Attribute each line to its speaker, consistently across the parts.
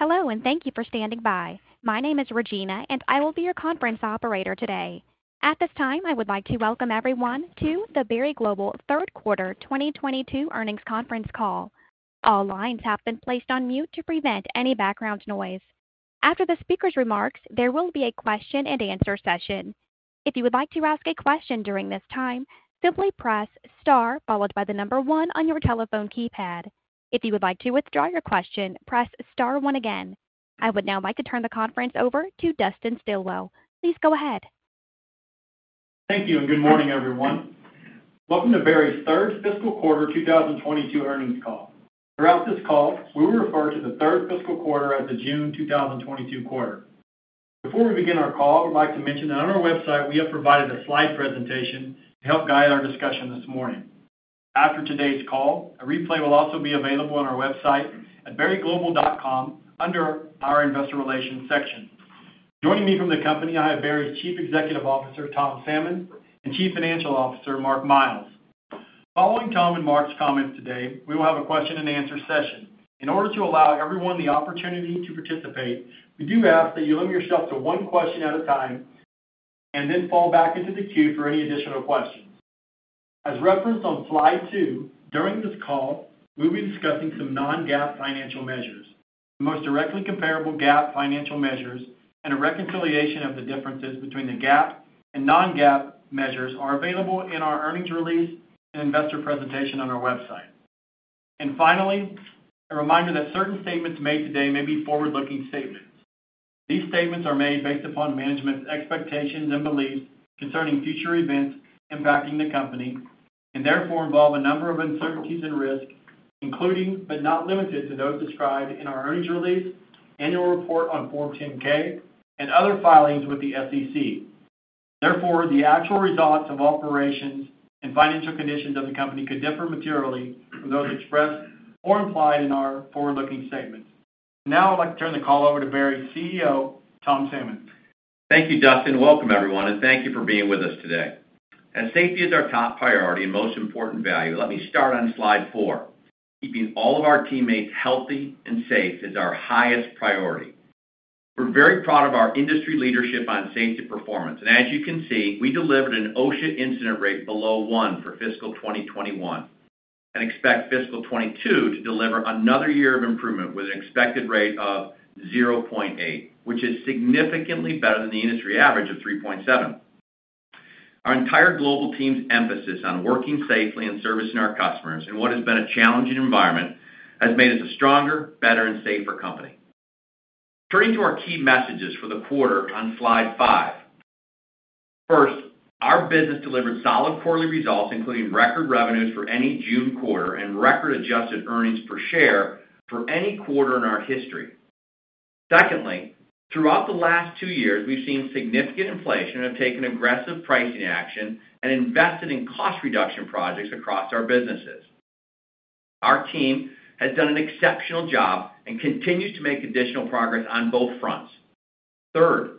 Speaker 1: Hello, and thank you for standing by. My name is Regina, and I will be your conference operator today. At this time, I would like to welcome everyone to the Berry Global third quarter 2022 earnings conference call. All lines have been placed on mute to prevent any background noise. After the speaker's remarks, there will be a question-and-answer session. If you would like to ask a question during this time, simply press star followed by the number 1 on your telephone keypad. If you would like to withdraw your question, press star 1 again. I would now like to turn the conference over to Dustin Stilwell. Please go ahead.
Speaker 2: Thank you, and good morning, everyone. Welcome to Berry's third fiscal quarter 2022 earnings call. Throughout this call, we will refer to the third fiscal quarter as the June 2022 quarter. Before we begin our call, I would like to mention that on our website we have provided a slide presentation to help guide our discussion this morning. After today's call, a replay will also be available on our website at berryglobal.com under our Investor Relations section. Joining me from the company, I have Berry's Chief Executive Officer, Tom Salmon, and Chief Financial Officer, Mark Miles. Following Tom and Mark's comments today, we will have a question-and-answer session. In order to allow everyone the opportunity to participate, we do ask that you limit yourself to one question at a time and then fall back into the queue for any additional questions. As referenced on slide two, during this call, we'll be discussing some non-GAAP financial measures. The most directly comparable GAAP financial measures and a reconciliation of the differences between the GAAP and non-GAAP measures are available in our earnings release and investor presentation on our website. Finally, a reminder that certain statements made today may be forward-looking statements. These statements are made based upon management's expectations and beliefs concerning future events impacting the company, and therefore involve a number of uncertainties and risks, including, but not limited to, those described in our earnings release, annual report on Form 10-K, and other filings with the SEC. Therefore, the actual results of operations and financial conditions of the company could differ materially from those expressed or implied in our forward-looking statements. Now I'd like to turn the call over to Berry's CEO, Tom Salmon.
Speaker 3: Thank you, Dustin. Welcome, everyone, and thank you for being with us today. As safety is our top priority and most important value, let me start on slide 4. Keeping all of our teammates healthy and safe is our highest priority. We're very proud of our industry leadership on safety performance. As you can see, we delivered an OSHA incident rate below one for fiscal 2021 and expect fiscal 2022 to deliver another year of improvement with an expected rate of 0.8, which is significantly better than the industry average of 3.7. Our entire global team's emphasis on working safely and servicing our customers in what has been a challenging environment has made us a stronger, better, and safer company. Turning to our key messages for the quarter on slide 5. First, our business delivered solid quarterly results, including record revenues for any June quarter and record adjusted earnings per share for any quarter in our history. Secondly, throughout the last two years, we've seen significant inflation and have taken aggressive pricing action and invested in cost reduction projects across our businesses. Our team has done an exceptional job and continues to make additional progress on both fronts. Third,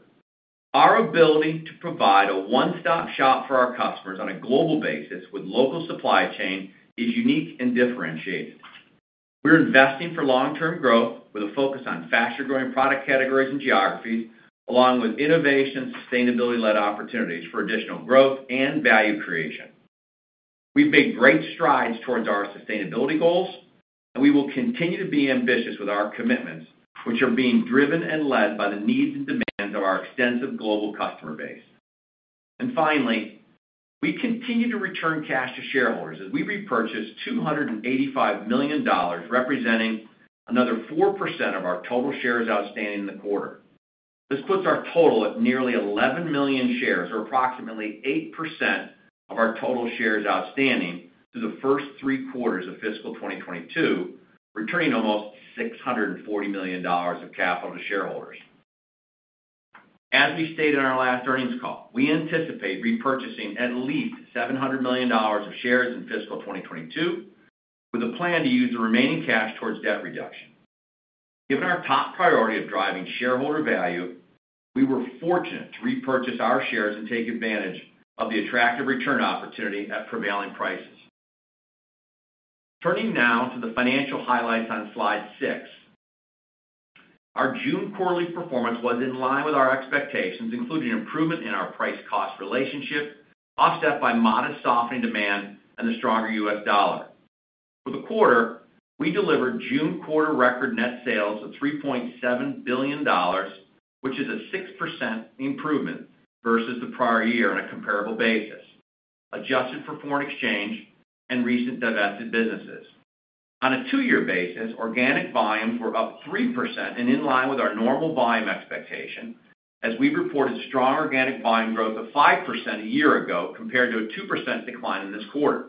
Speaker 3: our ability to provide a one-stop shop for our customers on a global basis with local supply chain is unique and differentiated. We're investing for long-term growth with a focus on faster-growing product categories and geographies, along with innovation and sustainability-led opportunities for additional growth and value creation. We've made great strides towards our sustainability goals, and we will continue to be ambitious with our commitments, which are being driven and led by the needs and demands of our extensive global customer base. Finally, we continue to return cash to shareholders as we repurchased $285 million, representing another 4% of our total shares outstanding in the quarter. This puts our total at nearly 11 million shares or approximately 8% of our total shares outstanding through the first three quarters of fiscal 2022, returning almost $640 million of capital to shareholders. As we stated on our last earnings call, we anticipate repurchasing at least $700 million of shares in fiscal 2022, with a plan to use the remaining cash towards debt reduction. Given our top priority of driving shareholder value, we were fortunate to repurchase our shares and take advantage of the attractive return opportunity at prevailing prices. Turning now to the financial highlights on slide 6. Our June quarterly performance was in line with our expectations, including improvement in our price-cost relationship, offset by modest softening demand and the stronger U.S. dollar. For the quarter, we delivered June quarter record net sales of $3.7 billion, which is a 6% improvement versus the prior year on a comparable basis, adjusted for foreign exchange and recent divested businesses. On a two-year basis, organic volumes were up 3% and in line with our normal volume expectation as we reported strong organic volume growth of 5% a year ago compared to a 2% decline in this quarter.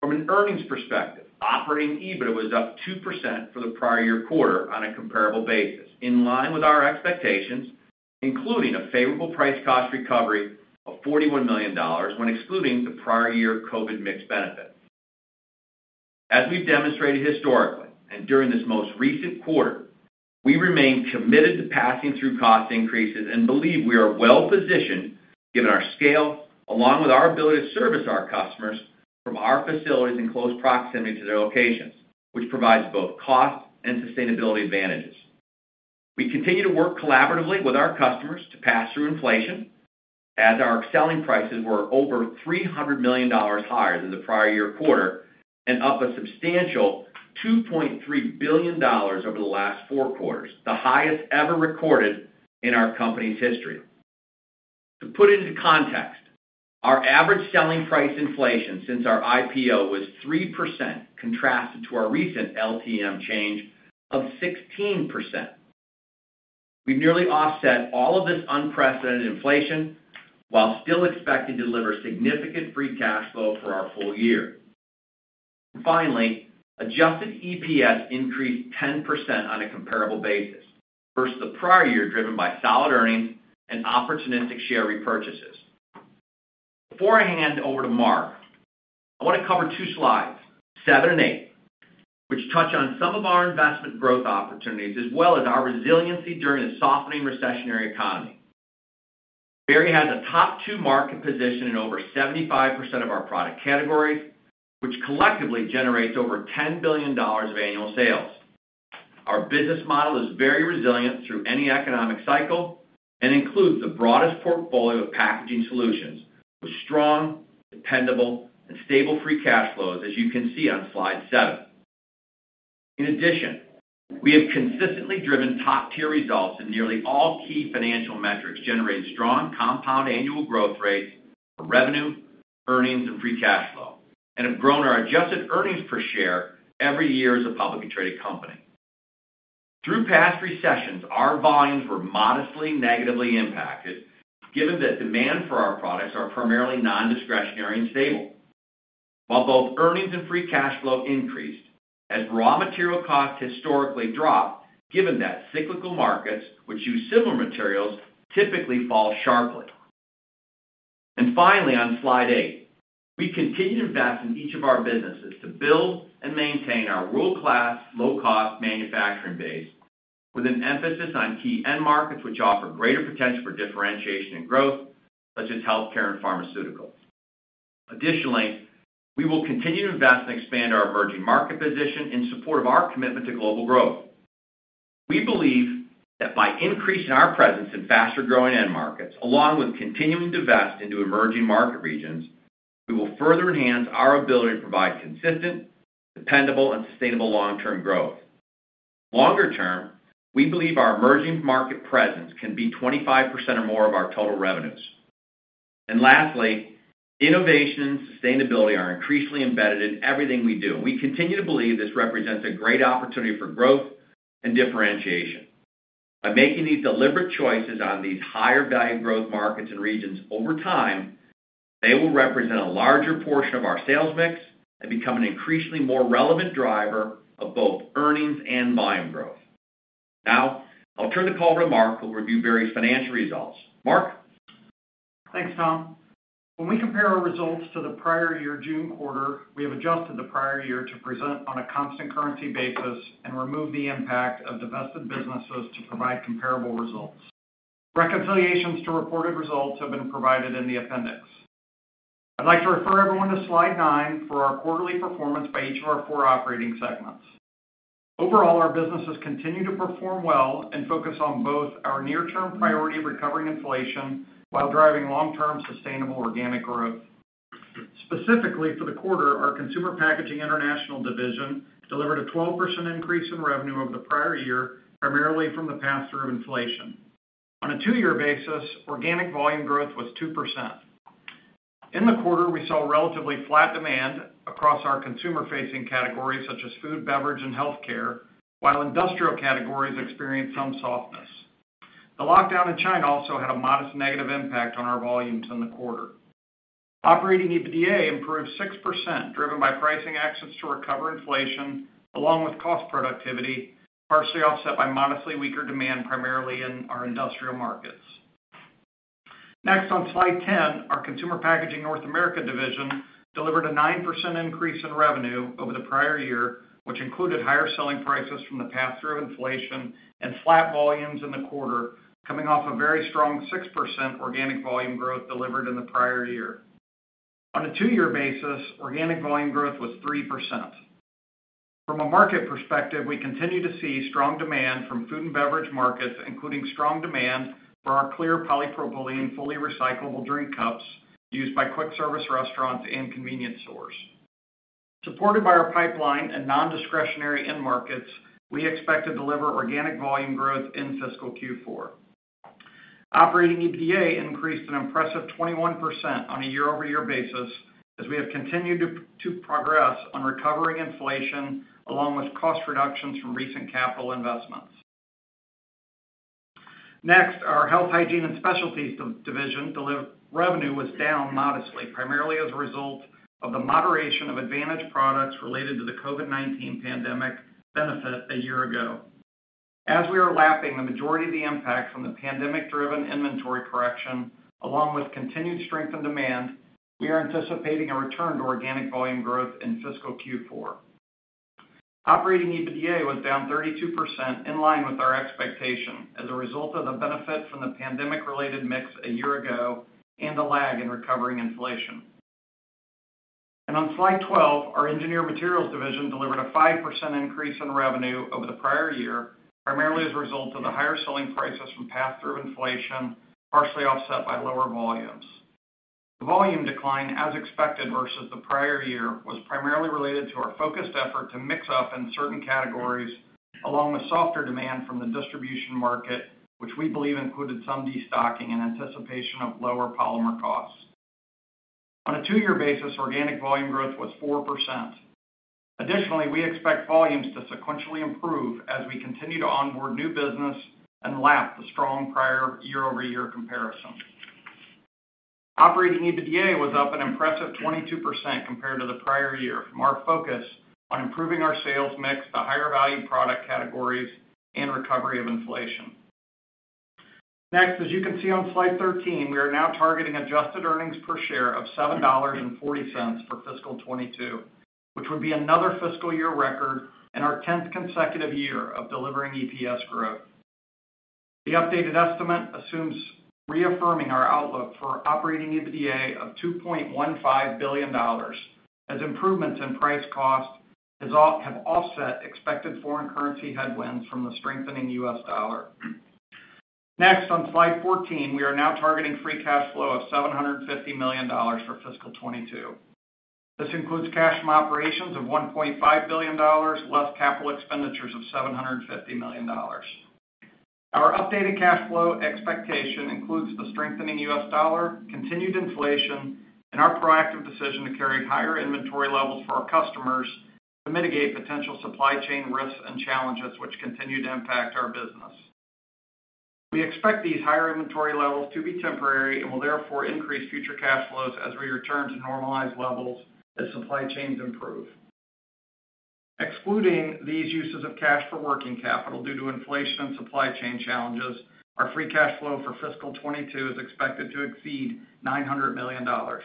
Speaker 3: From an earnings perspective, operating EBIT was up 2% for the prior year quarter on a comparable basis, in line with our expectations, including a favorable price cost recovery of $41 million when excluding the prior year COVID mix benefit. As we've demonstrated historically and during this most recent quarter, we remain committed to passing through cost increases and believe we are well positioned. Given our scale, along with our ability to service our customers from our facilities in close proximity to their locations, which provides both cost and sustainability advantages. We continue to work collaboratively with our customers to pass through inflation as our selling prices were over $300 million higher than the prior year quarter and up a substantial $2.3 billion over the last four quarters, the highest ever recorded in our company's history. To put it into context, our average selling price inflation since our IPO was 3% contrasted to our recent LTM change of 16%. We've nearly offset all of this unprecedented inflation while still expecting to deliver significant free cash flow for our full year. Finally, adjusted EPS increased 10% on a comparable basis versus the prior year, driven by solid earnings and opportunistic share repurchases. Before I hand over to Mark, I want to cover two slides, 7 and 8, which touch on some of our investment growth opportunities as well as our resiliency during a softening recessionary economy. Berry has a top two market position in over 75% of our product categories, which collectively generates over $10 billion of annual sales. Our business model is very resilient through any economic cycle and includes the broadest portfolio of packaging solutions with strong, dependable, and stable free cash flows, as you can see on slide 7. In addition, we have consistently driven top-tier results in nearly all key financial metrics, generating strong compound annual growth rates for revenue, earnings, and free cash flow, and have grown our adjusted earnings per share every year as a publicly traded company. Through past recessions, our volumes were modestly negatively impacted given that demand for our products are primarily nondiscretionary and stable. While both earnings and free cash flow increased as raw material costs historically dropped, given that cyclical markets which use similar materials typically fall sharply. Finally, on slide 8, we continue to invest in each of our businesses to build and maintain our world-class low-cost manufacturing base with an emphasis on key end markets which offer greater potential for differentiation and growth, such as healthcare and pharmaceutical. Additionally, we will continue to invest and expand our emerging market position in support of our commitment to global growth. We believe that by increasing our presence in faster-growing end markets, along with continuing to invest into emerging market regions, we will further enhance our ability to provide consistent, dependable, and sustainable long-term growth. Longer term, we believe our emerging market presence can be 25% or more of our total revenues. Lastly, innovation and sustainability are increasingly embedded in everything we do, and we continue to believe this represents a great opportunity for growth and differentiation. By making these deliberate choices on these higher value growth markets and regions over time, they will represent a larger portion of our sales mix and become an increasingly more relevant driver of both earnings and volume growth. Now I'll turn the call to Mark, who will review Berry's financial results. Mark?
Speaker 4: Thanks, Tom. When we compare our results to the prior year June quarter, we have adjusted the prior year to present on a constant currency basis and remove the impact of divested businesses to provide comparable results. Reconciliations to reported results have been provided in the appendix. I'd like to refer everyone to slide 9 for our quarterly performance by each of our four operating segments. Overall, our businesses continue to perform well and focus on both our near-term priority of recovering inflation while driving long-term sustainable organic growth. Specifically for the quarter, our Consumer Packaging International division delivered a 12% increase in revenue over the prior year, primarily from the pass-through of inflation. On a 2-year basis, organic volume growth was 2%. In the quarter, we saw relatively flat demand across our consumer-facing categories such as food, beverage, and healthcare, while industrial categories experienced some softness. The lockdown in China also had a modest negative impact on our volumes in the quarter. Operating EBITDA improved 6%, driven by pricing actions to recover inflation along with cost productivity, partially offset by modestly weaker demand, primarily in our industrial markets. Next on slide 10, our Consumer Packaging North America division delivered a 9% increase in revenue over the prior year, which included higher selling prices from the pass-through of inflation and flat volumes in the quarter, coming off a very strong 6% organic volume growth delivered in the prior year. On a two-year basis, organic volume growth was 3%. From a market perspective, we continue to see strong demand from food and beverage markets, including strong demand for our clear polypropylene, fully recyclable drink cups used by quick service restaurants and convenience stores. Supported by our pipeline and nondiscretionary end markets, we expect to deliver organic volume growth in fiscal Q4. Operating EBITDA increased an impressive 21% on a year-over-year basis as we have continued to progress on recovering inflation along with cost reductions from recent capital investments. Next, our Health, Hygiene & Specialties division revenue was down modestly, primarily as a result of the moderation of advantaged products related to the COVID-19 pandemic benefit a year ago. As we are lapping the majority of the impact from the pandemic-driven inventory correction, along with continued strength in demand, we are anticipating a return to organic volume growth in fiscal Q4. Operating EBITDA was down 32% in line with our expectation as a result of the benefit from the pandemic-related mix a year ago and a lag in recovering inflation. On slide 12, our Engineered Materials division delivered a 5% increase in revenue over the prior year, primarily as a result of the higher selling prices from pass-through inflation, partially offset by lower volumes. The volume decline, as expected, versus the prior year, was primarily related to our focused effort to mix up in certain categories, along with softer demand from the distribution market, which we believe included some destocking in anticipation of lower polymer costs. On a two-year basis, organic volume growth was 4%. Additionally, we expect volumes to sequentially improve as we continue to onboard new business and lap the strong prior year-over-year comparison. Operating EBITDA was up an impressive 22% compared to the prior year from our focus on improving our sales mix to higher value product categories and recovery of inflation. Next, as you can see on slide 13, we are now targeting adjusted earnings per share of $7.40 for fiscal 2022, which would be another fiscal year record and our 10th consecutive year of delivering EPS growth. The updated estimate assumes reaffirming our outlook for operating EBITDA of $2.15 billion as improvements in price cost have offset expected foreign currency headwinds from the strengthening U.S. dollar. Next, on slide 14, we are now targeting free cash flow of $750 million for fiscal 2022. This includes cash from operations of $1.5 billion, less capital expenditures of $750 million. Our updated cash flow expectation includes the strengthening U.S. dollar, continued inflation, and our proactive decision to carry higher inventory levels for our customers to mitigate potential supply chain risks and challenges which continue to impact our business. We expect these higher inventory levels to be temporary and will therefore increase future cash flows as we return to normalized levels as supply chains improve. Excluding these uses of cash for working capital due to inflation and supply chain challenges, our free cash flow for fiscal 2022 is expected to exceed $900 million. Our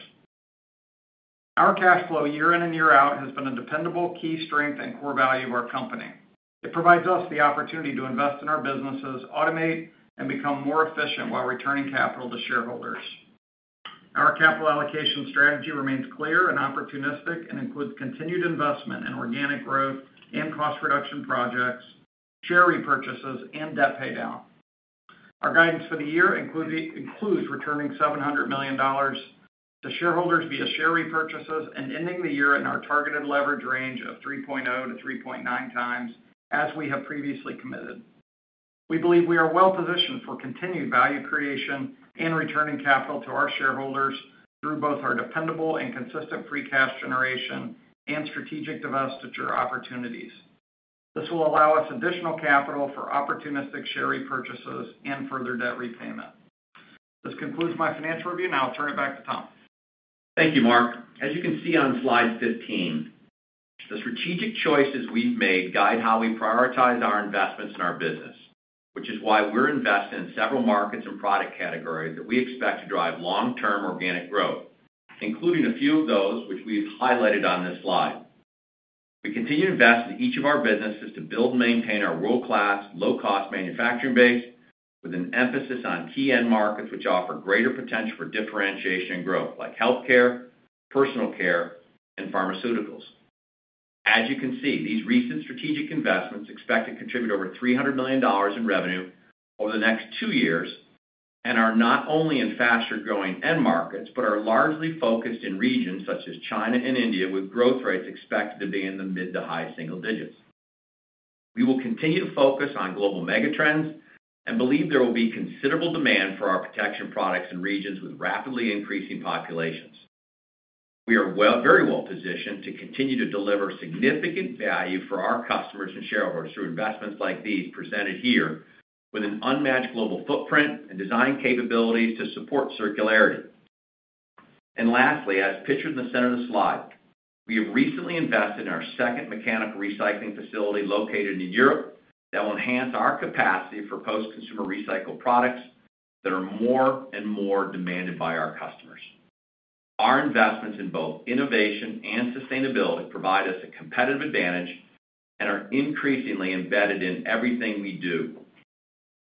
Speaker 4: cash flow year in and year out has been a dependable key strength and core value of our company. It provides us the opportunity to invest in our businesses, automate, and become more efficient while returning capital to shareholders. Our capital allocation strategy remains clear and opportunistic and includes continued investment in organic growth and cost reduction projects, share repurchases, and debt paydown. Our guidance for the year includes returning $700 million to shareholders via share repurchases and ending the year in our targeted leverage range of 3.0 to 3.9 times, as we have previously committed. We believe we are well-positioned for continued value creation and returning capital to our shareholders through both our dependable and consistent free cash generation and strategic divestiture opportunities. This will allow us additional capital for opportunistic share repurchases and further debt repayment. This concludes my financial review, and I'll turn it back to Tom.
Speaker 3: Thank you, Mark. As you can see on slide 15, the strategic choices we've made guide how we prioritize our investments in our business, which is why we're invested in several markets and product categories that we expect to drive long-term organic growth, including a few of those which we've highlighted on this slide. We continue to invest in each of our businesses to build and maintain our world-class, low-cost manufacturing base with an emphasis on key end markets which offer greater potential for differentiation and growth like healthcare, personal care, and pharmaceuticals. As you can see, these recent strategic investments expect to contribute over $300 million in revenue over the next two years and are not only in faster-growing end markets, but are largely focused in regions such as China and India, with growth rates expected to be in the mid- to high-single digits%. We will continue to focus on global mega trends and believe there will be considerable demand for our protection products in regions with rapidly increasing populations. We are very well positioned to continue to deliver significant value for our customers and shareholders through investments like these presented here with an unmatched global footprint and design capabilities to support circularity. Lastly, as pictured in the center of the slide, we have recently invested in our second mechanical recycling facility located in Europe that will enhance our capacity for post-consumer recycled products that are more and more demanded by our customers. Our investments in both innovation and sustainability provide us a competitive advantage and are increasingly embedded in everything we do.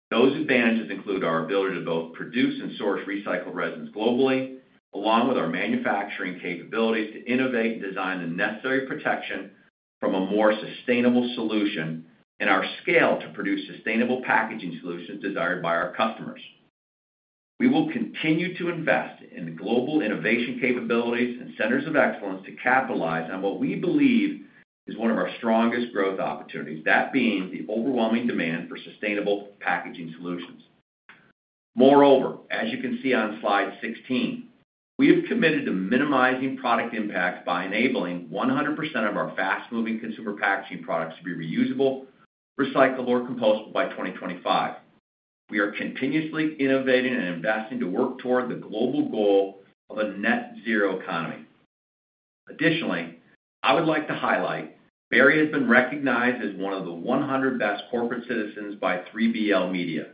Speaker 3: Those advantages include our ability to both produce and source recycled resins globally, along with our manufacturing capabilities to innovate and design the necessary protection from a more sustainable solution, and our scale to produce sustainable packaging solutions desired by our customers. We will continue to invest in global innovation capabilities and centers of excellence to capitalize on what we believe is one of our strongest growth opportunities, that being the overwhelming demand for sustainable packaging solutions. Moreover, as you can see on slide 16, we have committed to minimizing product impact by enabling 100% of our fast-moving consumer packaging products to be reusable, recyclable, or compostable by 2025. We are continuously innovating and investing to work toward the global goal of a net zero economy. Additionally, I would like to highlight Berry has been recognized as one of the 100 best corporate citizens by 3BL Media.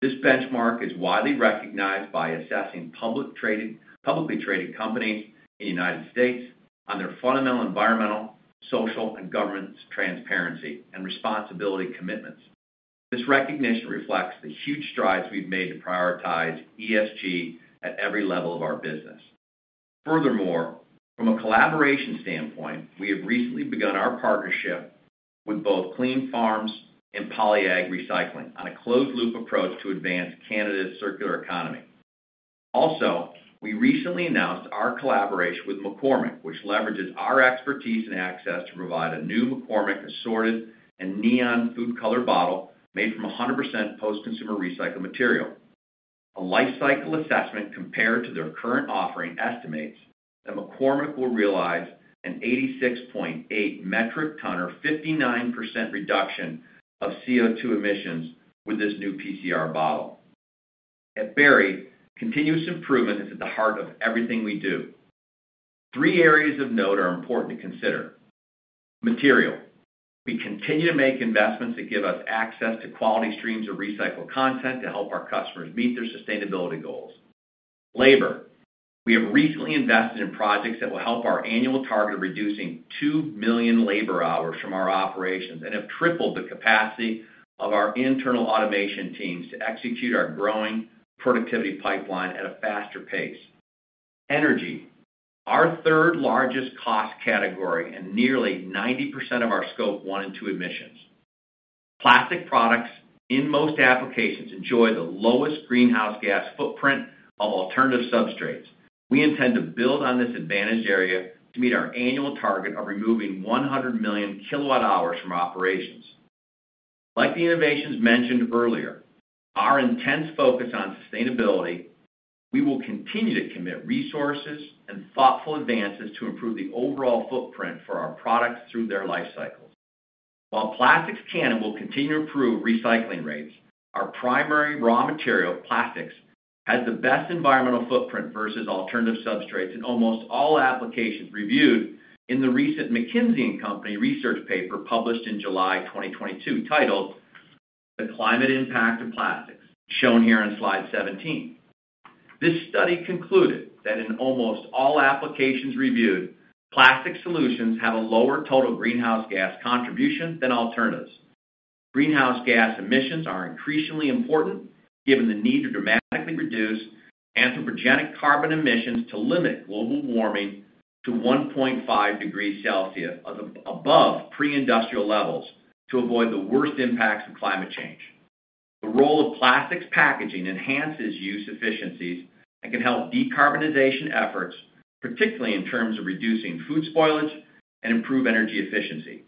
Speaker 3: This benchmark is widely recognized by assessing publicly traded companies in the United States on their fundamental environmental, social, and governance, transparency, and responsibility commitments. This recognition reflects the huge strides we've made to prioritize ESG at every level of our business. Furthermore, from a collaboration standpoint, we have recently begun our partnership with both Cleanfarms and PolyAg Recycling on a closed loop approach to advance Canada's circular economy. Also, we recently announced our collaboration with McCormick, which leverages our expertise and access to provide a new McCormick assorted and neon food color bottle made from 100% post-consumer recycled material. A life cycle assessment compared to their current offering estimates that McCormick will realize an 86.8 metric ton or 59% reduction of CO2 emissions with this new PCR bottle. At Berry, continuous improvement is at the heart of everything we do. 3 areas of note are important to consider. Material. We continue to make investments that give us access to quality streams of recycled content to help our customers meet their sustainability goals. Labor. We have recently invested in projects that will help our annual target of reducing 2 million labor hours from our operations, and have tripled the capacity of our internal automation teams to execute our growing productivity pipeline at a faster pace. Energy. Our third largest cost category and nearly 90% of our scope one and two emissions. Plastic products in most applications enjoy the lowest greenhouse gas footprint of alternative substrates. We intend to build on this advantaged area to meet our annual target of removing 100 million kWh from operations. Like the innovations mentioned earlier, our intense focus on sustainability, we will continue to commit resources and thoughtful advances to improve the overall footprint for our products through their life cycles. While plastics can and will continue to improve recycling rates, our primary raw material, plastics, has the best environmental footprint versus alternative substrates in almost all applications reviewed in the recent McKinsey & Company research paper published in July 2022, titled The Climate Impact of Plastics, shown here on slide 17. This study concluded that in almost all applications reviewed, plastic solutions have a lower total greenhouse gas contribution than alternatives. Greenhouse gas emissions are increasingly important given the need to dramatically reduce anthropogenic carbon emissions to limit global warming to 1.5 degrees Celsius above pre-industrial levels to avoid the worst impacts of climate change. The role of plastics packaging enhances use efficiencies and can help decarbonization efforts, particularly in terms of reducing food spoilage and improve energy efficiency.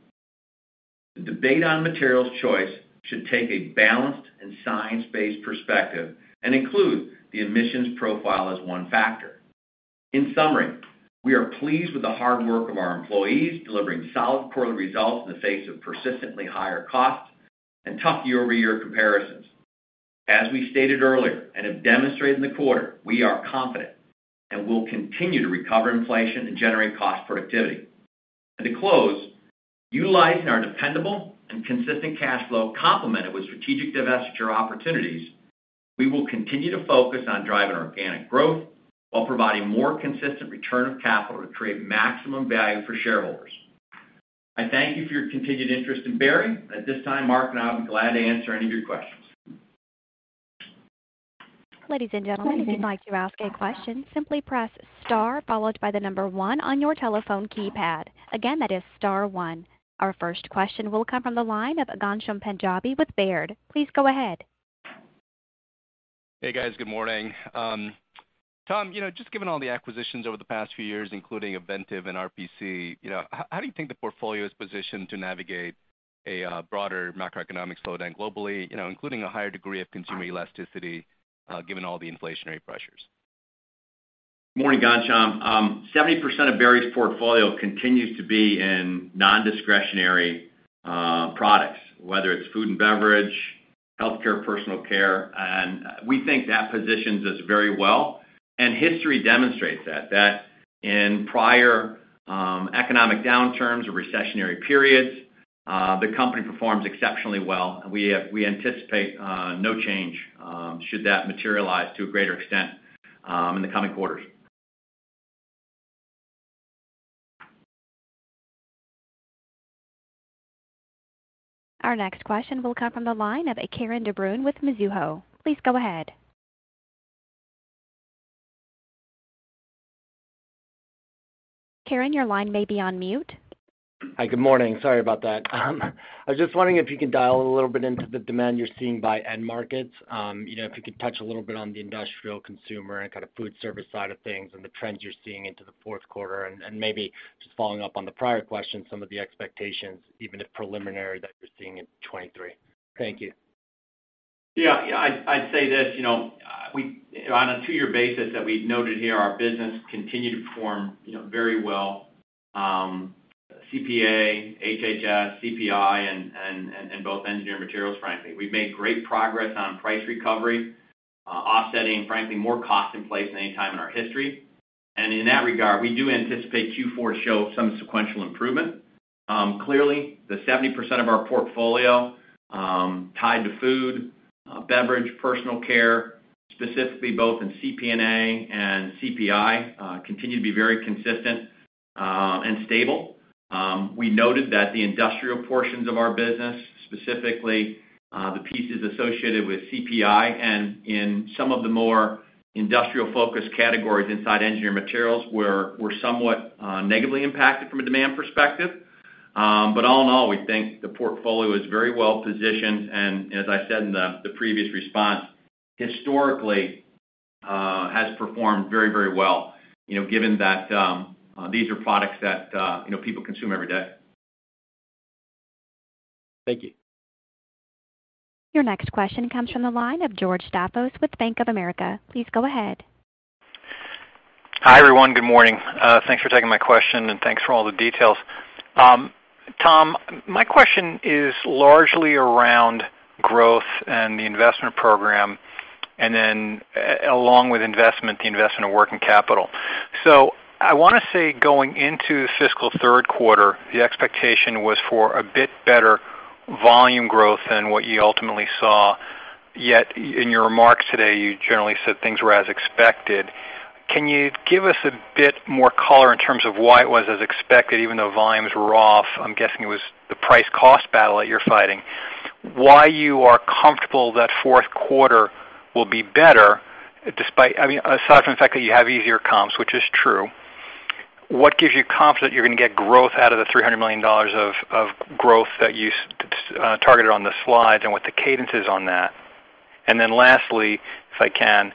Speaker 3: The debate on materials choice should take a balanced and science-based perspective and include the emissions profile as one factor. In summary, we are pleased with the hard work of our employees delivering solid quarterly results in the face of persistently higher costs and tough year-over-year comparisons. As we stated earlier, and have demonstrated in the quarter, we are confident and will continue to recover inflation and generate cost productivity. To close, utilizing our dependable and consistent cash flow complemented with strategic divestiture opportunities, we will continue to focus on driving organic growth while providing more consistent return of capital to create maximum value for shareholders. I thank you for your continued interest in Berry. At this time, Mark and I will be glad to answer any of your questions.
Speaker 1: Ladies and gentlemen, if you'd like to ask a question, simply press star followed by the number one on your telephone keypad. Again, that is star one. Our first question will come from the line of Ghansham Panjabi with Baird. Please go ahead.
Speaker 5: Hey, guys. Good morning. Tom, you know, just given all the acquisitions over the past few years, including Avintiv and RPC, you know, how do you think the portfolio is positioned to navigate a broader macroeconomic slowdown globally, you know, including a higher degree of consumer elasticity, given all the inflationary pressures?
Speaker 3: Morning, Ghansham. 70% of Berry's portfolio continues to be in non-discretionary products, whether it's food and beverage, healthcare, personal care, and we think that positions us very well. History demonstrates that in prior economic downturns or recessionary periods, the company performs exceptionally well. We anticipate no change should that materialize to a greater extent in the coming quarters.
Speaker 1: Our next question will come from the line of Karen DeBrul with Mizuho. Please go ahead. Karen, your line may be on mute.
Speaker 6: Hi. Good morning. Sorry about that. I was just wondering if you could dial a little bit into the demand you're seeing by end markets. You know, if you could touch a little bit on the industrial consumer and kind of food service side of things and the trends you're seeing into the fourth quarter, and maybe just following up on the prior question, some of the expectations, even if preliminary, that you're seeing in 2023. Thank you.
Speaker 3: Yeah. I'd say this, you know, On a two-year basis that we've noted here, our business continued to perform, you know, very well. CPNA, HHS, CPI, and Engineered Materials, frankly. We've made great progress on price recovery, offsetting frankly more cost inflation than any time in our history. In that regard, we do anticipate Q4 to show some sequential improvement. Clearly, the 70% of our portfolio, tied to food, beverage, personal care, specifically both in CPNA and CPI, continue to be very consistent and stable. We noted that the industrial portions of our business, specifically, the pieces associated with CPI and in some of the more industrial-focused categories inside Engineered Materials, were somewhat negatively impacted from a demand perspective. All in all, we think the portfolio is very well-positioned, and as I said in the previous response, historically has performed very well, you know, given that these are products that, you know, people consume every day.
Speaker 6: Thank you.
Speaker 1: Your next question comes from the line of George Staphos with Bank of America. Please go ahead.
Speaker 7: Hi, everyone. Good morning. Thanks for taking my question, and thanks for all the details. Tom, my question is largely around growth and the investment program, and then along with investment, the investment of working capital. I wanna say going into fiscal third quarter, the expectation was for a bit better volume growth than what you ultimately saw, yet in your remarks today, you generally said things were as expected. Can you give us a bit more color in terms of why it was as expected, even though volumes were off? I'm guessing it was the price cost battle that you're fighting. Why you are comfortable that fourth quarter will be better despite. I mean, aside from the fact that you have easier comps, which is true, what gives you confidence you're gonna get growth out of the $300 million of growth that you targeted on the slides and what the cadence is on that? Then lastly, if I can,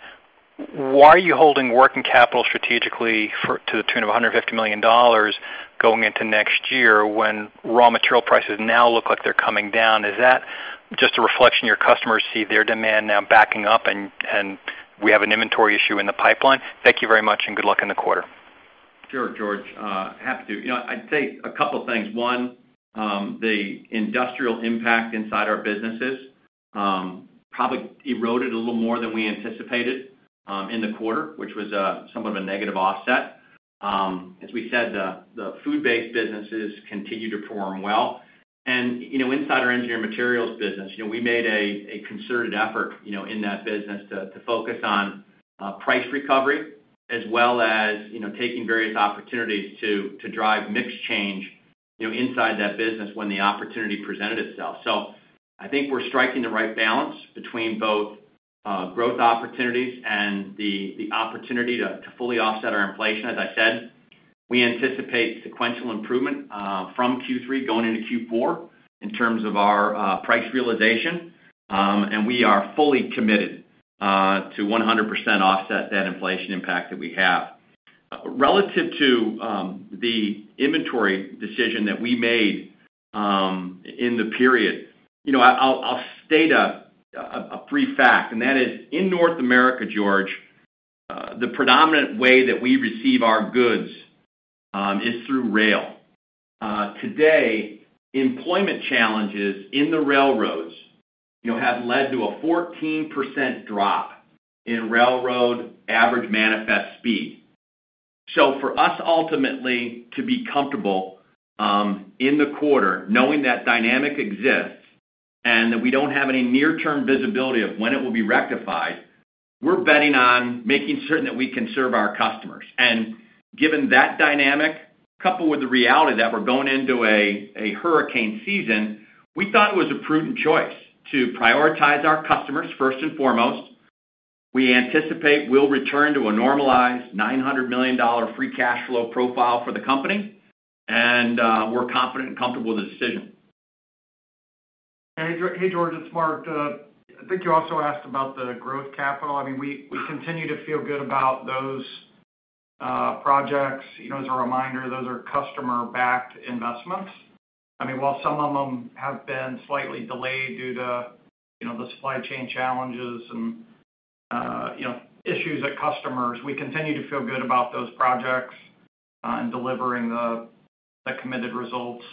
Speaker 7: why are you holding working capital strategically for, to the tune of $150 million going into next year when raw material prices now look like they're coming down? Is that just a reflection of your customers see their demand now backing up, and we have an inventory issue in the pipeline? Thank you very much, and good luck in the quarter.
Speaker 3: Sure, George. Happy to. You know, I'd say a couple things. One, the industrial impact inside our businesses probably eroded a little more than we anticipated in the quarter, which was somewhat of a negative offset. As we said, the food-based businesses continue to perform well. You know, inside our Engineered Materials business, you know, we made a concerted effort, you know, in that business to focus on price recovery as well as, you know, taking various opportunities to drive mix change, you know, inside that business when the opportunity presented itself. I think we're striking the right balance between both growth opportunities and the opportunity to fully offset our inflation. As I said, we anticipate sequential improvement from Q3 going into Q4 in terms of our price realization. We are fully committed to 100% offset that inflation impact that we have. Relative to the inventory decision that we made in the period. You know, I'll state a brief fact, and that is in North America, George, the predominant way that we receive our goods is through rail. Today, employment challenges in the railroads, you know, have led to a 14% drop in railroad average manifest speed. For us ultimately to be comfortable in the quarter, knowing that dynamic exists and that we don't have any near-term visibility of when it will be rectified, we're betting on making certain that we can serve our customers. Given that dynamic, coupled with the reality that we're going into a hurricane season, we thought it was a prudent choice to prioritize our customers first and foremost. We anticipate we'll return to a normalized $900 million free cash flow profile for the company, and we're confident and comfortable with the decision.
Speaker 4: Hey, George, it's Mark. I think you also asked about the growth CapEx. I mean, we continue to feel good about those projects. You know, as a reminder, those are customer-backed investments. I mean, while some of them have been slightly delayed due to, you know, the supply chain challenges and, you know, issues at customers, we continue to feel good about those projects and delivering the committed results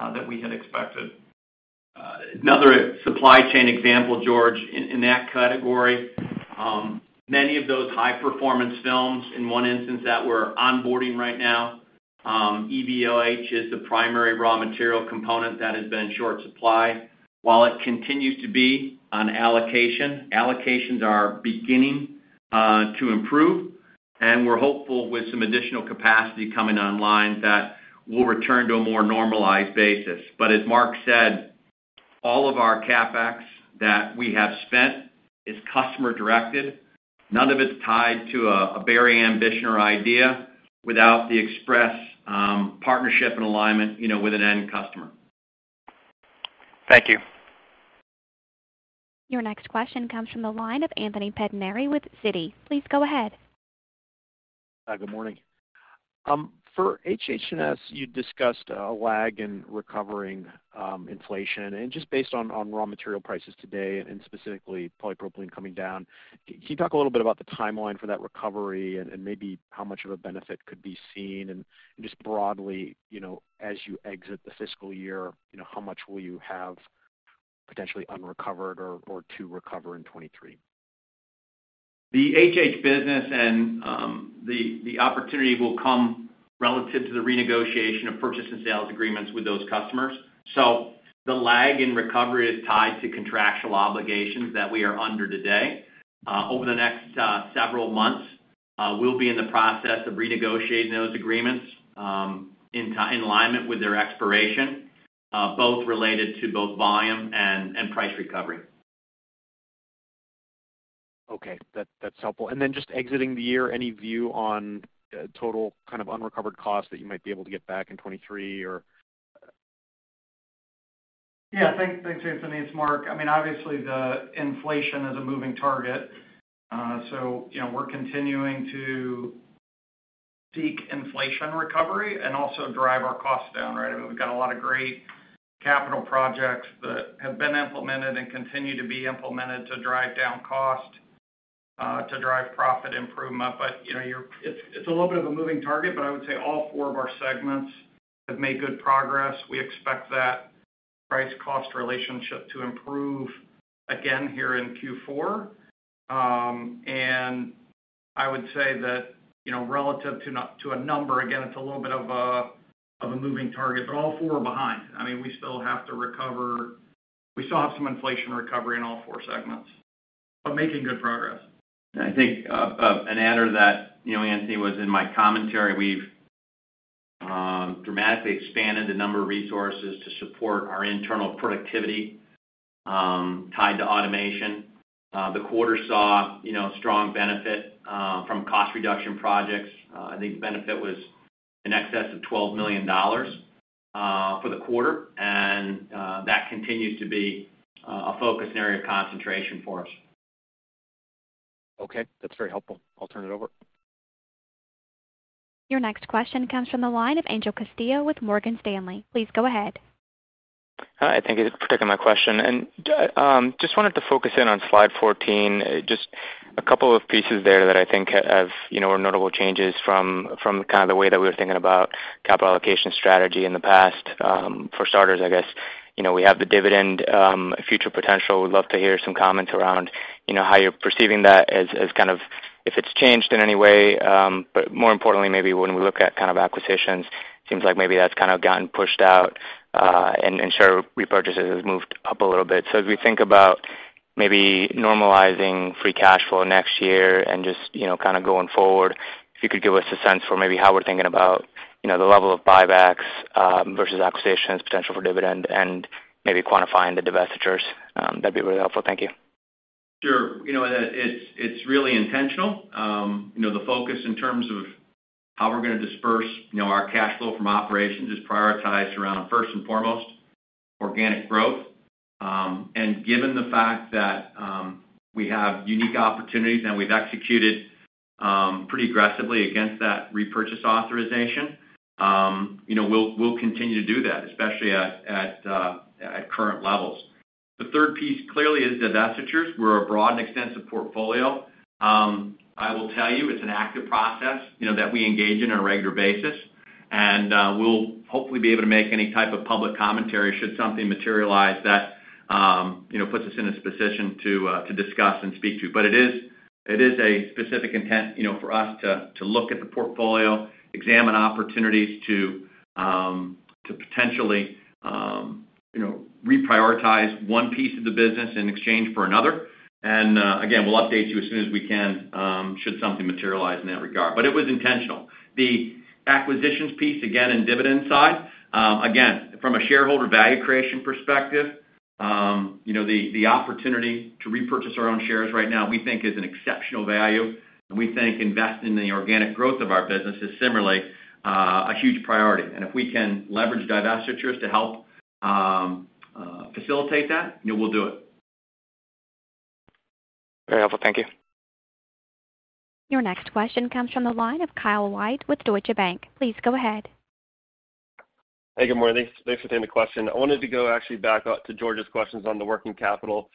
Speaker 4: that we had expected.
Speaker 3: Another supply chain example, George, in that category, many of those high-performance films, in one instance that we're onboarding right now, EVOH is the primary raw material component that has been in short supply. While it continues to be on allocation, allocations are beginning to improve, and we're hopeful with some additional capacity coming online that we'll return to a more normalized basis. But as Mark said, all of our CapEx that we have spent is customer directed. None of it's tied to a Berry ambition or idea without the express partnership and alignment, you know, with an end customer.
Speaker 7: Thank you.
Speaker 1: Your next question comes from the line of Anthony Pettinari with Citi. Please go ahead.
Speaker 8: Hi, good morning. For HH&S, you discussed a lag in recovering inflation. Just based on raw material prices today and specifically polypropylene coming down, can you talk a little bit about the timeline for that recovery and maybe how much of a benefit could be seen? Just broadly, you know, as you exit the fiscal year, you know, how much will you have potentially unrecovered or to recover in 2023?
Speaker 3: The HH business and the opportunity will come relative to the renegotiation of purchase and sales agreements with those customers. The lag in recovery is tied to contractual obligations that we are under today. Over the next several months, we'll be in the process of renegotiating those agreements in alignment with their expiration, both related to volume and price recovery.
Speaker 8: Okay. That's helpful. Just exiting the year, any view on total kind of unrecovered costs that you might be able to get back in 2023 or...
Speaker 4: Yeah. Thanks, Anthony. It's Mark. I mean, obviously, the inflation is a moving target. So, you know, we're continuing to seek inflation recovery and also drive our costs down, right? I mean, we've got a lot of great capital projects that have been implemented and continue to be implemented to drive down cost, to drive profit improvement. You know, it's a little bit of a moving target, but I would say all four of our segments have made good progress. We expect that price cost relationship to improve again here in Q4. And I would say that, you know, relative to a number, again, it's a little bit of a moving target. They're all four behind. I mean, we still have some inflation recovery in all four segments. We're making good progress.
Speaker 3: I think an add to that, you know, Anthony, was in my commentary, we've dramatically expanded the number of resources to support our internal productivity tied to automation. The quarter saw, you know, strong benefit from cost reduction projects. I think the benefit was in excess of $12 million for the quarter. That continues to be a focus and area of concentration for us.
Speaker 8: Okay. That's very helpful. I'll turn it over.
Speaker 1: Your next question comes from the line of Angel Castillo with Morgan Stanley. Please go ahead.
Speaker 9: Hi, thank you for taking my question. I just wanted to focus in on slide 14. Just a couple of pieces there that I think have, you know, are notable changes from kind of the way that we were thinking about capital allocation strategy in the past. For starters, I guess, you know, we have the dividend, future potential. Would love to hear some comments around, you know, how you're perceiving that as kind of if it's changed in any way. More importantly, maybe when we look at kind of acquisitions, seems like maybe that's kind of gotten pushed out, and share repurchases has moved up a little bit. As we think about maybe normalizing free cash flow next year and just, you know, kind of going forward, if you could give us a sense for maybe how we're thinking about, you know, the level of buybacks versus acquisitions, potential for dividend, and maybe quantifying the divestitures, that'd be really helpful. Thank you.
Speaker 3: Sure. You know, it's really intentional. You know, the focus in terms of how we're gonna disperse our cash flow from operations is prioritized around, first and foremost, organic growth. Given the fact that we have unique opportunities and we've executed pretty aggressively against that repurchase authorization, you know, we'll continue to do that, especially at current levels. The third piece clearly is divestitures. We have a broad and extensive portfolio. I will tell you it's an active process, you know, that we engage in on a regular basis. We'll hopefully be able to make any type of public commentary should something materialize that, you know, puts us in a position to discuss and speak to. It is a specific intent, you know, for us to look at the portfolio, examine opportunities to potentially, you know, reprioritize one piece of the business in exchange for another. Again, we'll update you as soon as we can, should something materialize in that regard. It was intentional. The acquisitions piece, again, and dividend side, again, from a shareholder value creation perspective, you know, the opportunity to repurchase our own shares right now, we think is an exceptional value. We think investing in the organic growth of our business is similarly a huge priority. If we can leverage divestitures to help facilitate that, you know, we'll do it.
Speaker 9: Very helpful. Thank you.
Speaker 1: Your next question comes from the line of Kyle White with Deutsche Bank. Please go ahead.
Speaker 10: Hey, good morning. Thanks for taking the question. I wanted to go actually back up to George's questions on the working capital.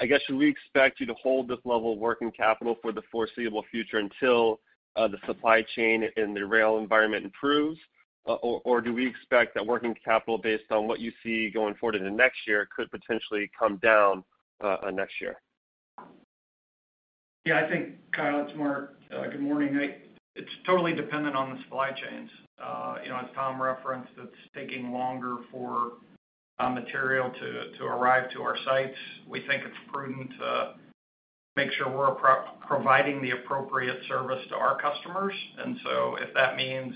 Speaker 10: I guess, should we expect you to hold this level of working capital for the foreseeable future until the supply chain and the rail environment improves? Or do we expect that working capital based on what you see going forward into next year could potentially come down next year?
Speaker 4: Yeah, I think, Kyle, it's Mark. Good morning. It's totally dependent on the supply chains. You know, as Tom referenced, it's taking longer for material to arrive to our sites. We think it's prudent to make sure we're providing the appropriate service to our customers. If that means,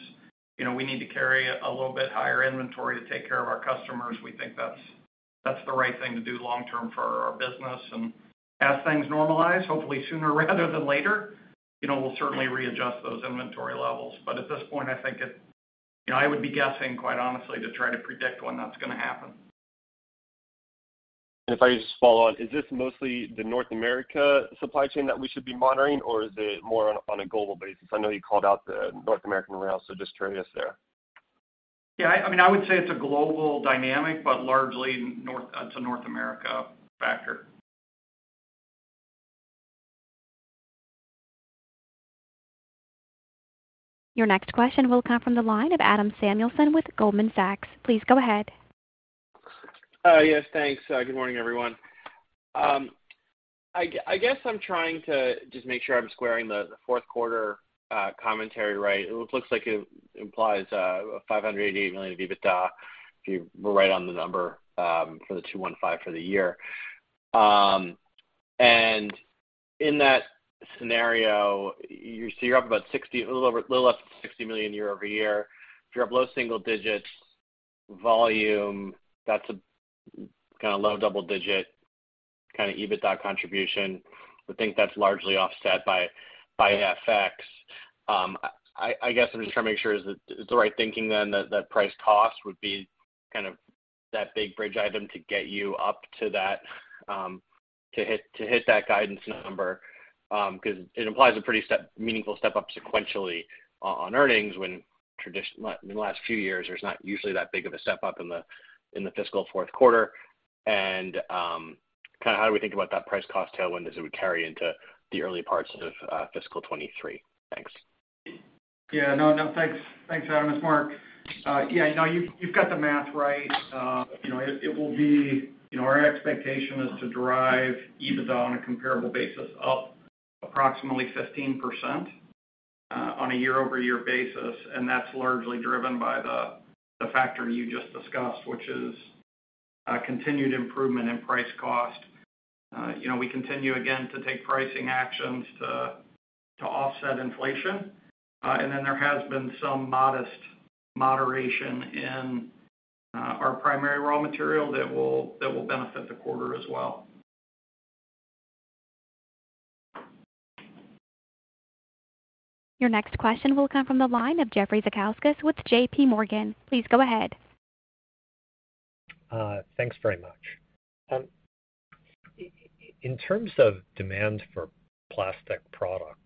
Speaker 4: you know, we need to carry a little bit higher inventory to take care of our customers, we think that's the right thing to do long term for our business. As things normalize, hopefully sooner rather than later, you know, we'll certainly readjust those inventory levels. At this point, I think you know, I would be guessing, quite honestly, to try to predict when that's gonna happen.
Speaker 10: If I could just follow on, is this mostly the North America supply chain that we should be monitoring, or is it more on a global basis? I know you called out the North American rails, so just curious there.
Speaker 4: Yeah, I mean, I would say it's a global dynamic, but largely it's a North America factor.
Speaker 1: Your next question will come from the line of Adam Samuelson with Goldman Sachs. Please go ahead.
Speaker 11: Yes, thanks. Good morning, everyone. I guess I'm trying to just make sure I'm squaring the fourth quarter commentary right. It looks like it implies $588 million of EBITDA if you were right on the number for the 2015 for the year. In that scenario, you're up a little less than $60 million year-over-year. If you're up low single-digits volume, that's a low double-digit EBITDA contribution. I think that's largely offset by FX. I guess I'm just trying to make sure, is it the right thinking then that price cost would be kind of that big bridge item to get you up to that, to hit that guidance number? 'Cause it implies a pretty meaningful step up sequentially on earnings when in the last few years, there's not usually that big of a step up in the fiscal fourth quarter. Kinda how do we think about that price cost tailwind as it would carry into the early parts of fiscal 2023? Thanks.
Speaker 4: Yeah. No, no, thanks. Thanks, Adam. It's Mark. Yeah, no, you've got the math right. You know, it will be, you know, our expectation is to drive EBITDA on a comparable basis up approximately 15%, on a year-over-year basis, and that's largely driven by the factor you just discussed, which is continued improvement in price cost. You know, we continue again to take pricing actions to offset inflation, and then there has been some modest moderation in our primary raw material that will benefit the quarter as well.
Speaker 1: Your next question will come from the line of Jeffrey Zekauskas with J.P. Morgan. Please go ahead.
Speaker 12: Thanks very much. In terms of demand for plastic products,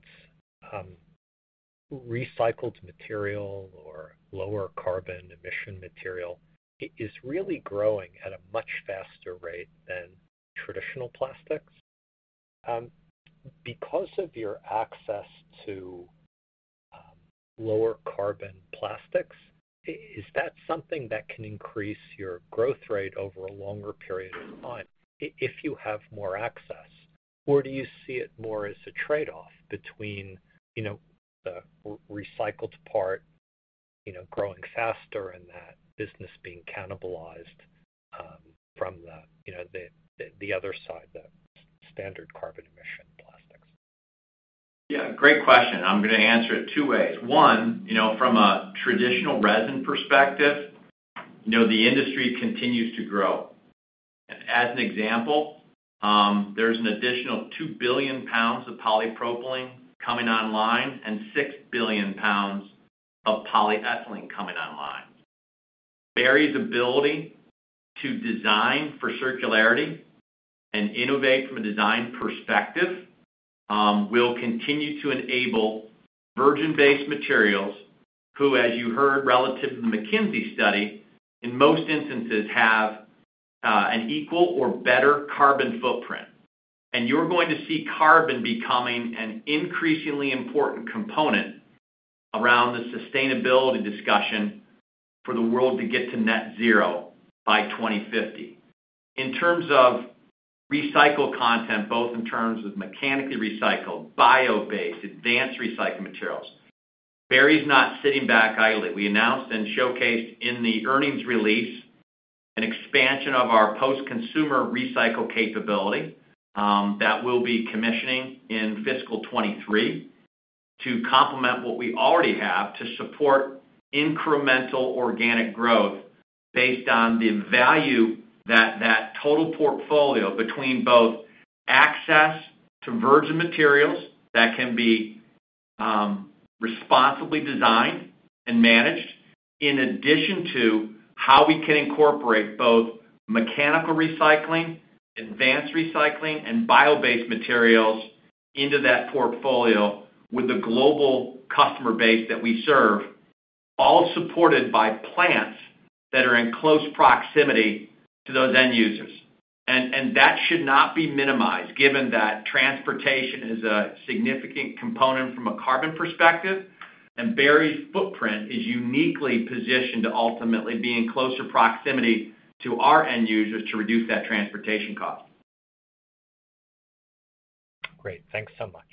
Speaker 12: recycled material or lower carbon emission material is really growing at a much faster rate than traditional plastics. Because of your access to lower carbon plastics, is that something that can increase your growth rate over a longer period of time if you have more access? Or do you see it more as a trade-off between, you know, the recycled part, you know, growing faster and that business being cannibalized from the, you know, the other side, the standard carbon emission plastics?
Speaker 3: Yeah, great question. I'm gonna answer it two ways. One, you know, from a traditional resin perspective, you know, the industry continues to grow. As an example, there's an additional 2 billion pounds of polypropylene coming online and 6 billion pounds of polyethylene coming online. Berry's ability to design for circularity and innovate from a design perspective will continue to enable virgin-based materials, which, as you heard relative to the McKinsey study, in most instances have an equal or better carbon footprint. You're going to see carbon becoming an increasingly important component around the sustainability discussion for the world to get to net zero by 2050. In terms of recycled content, both in terms of mechanically recycled, bio-based, advanced recycled materials, Berry's not sitting back idly. We announced and showcased in the earnings release an expansion of our post-consumer recycle capability that we'll be commissioning in fiscal 2023 to complement what we already have to support incremental organic growth based on the value that that total portfolio between both access to virgin materials that can be responsibly designed and managed, in addition to how we can incorporate both mechanical recycling, advanced recycling, and bio-based materials into that portfolio with the global customer base that we serve, all supported by plants that are in close proximity to those end users. That should not be minimized given that transportation is a significant component from a carbon perspective, and Berry's footprint is uniquely positioned to ultimately be in closer proximity to our end users to reduce that transportation cost.
Speaker 12: Great. Thanks so much.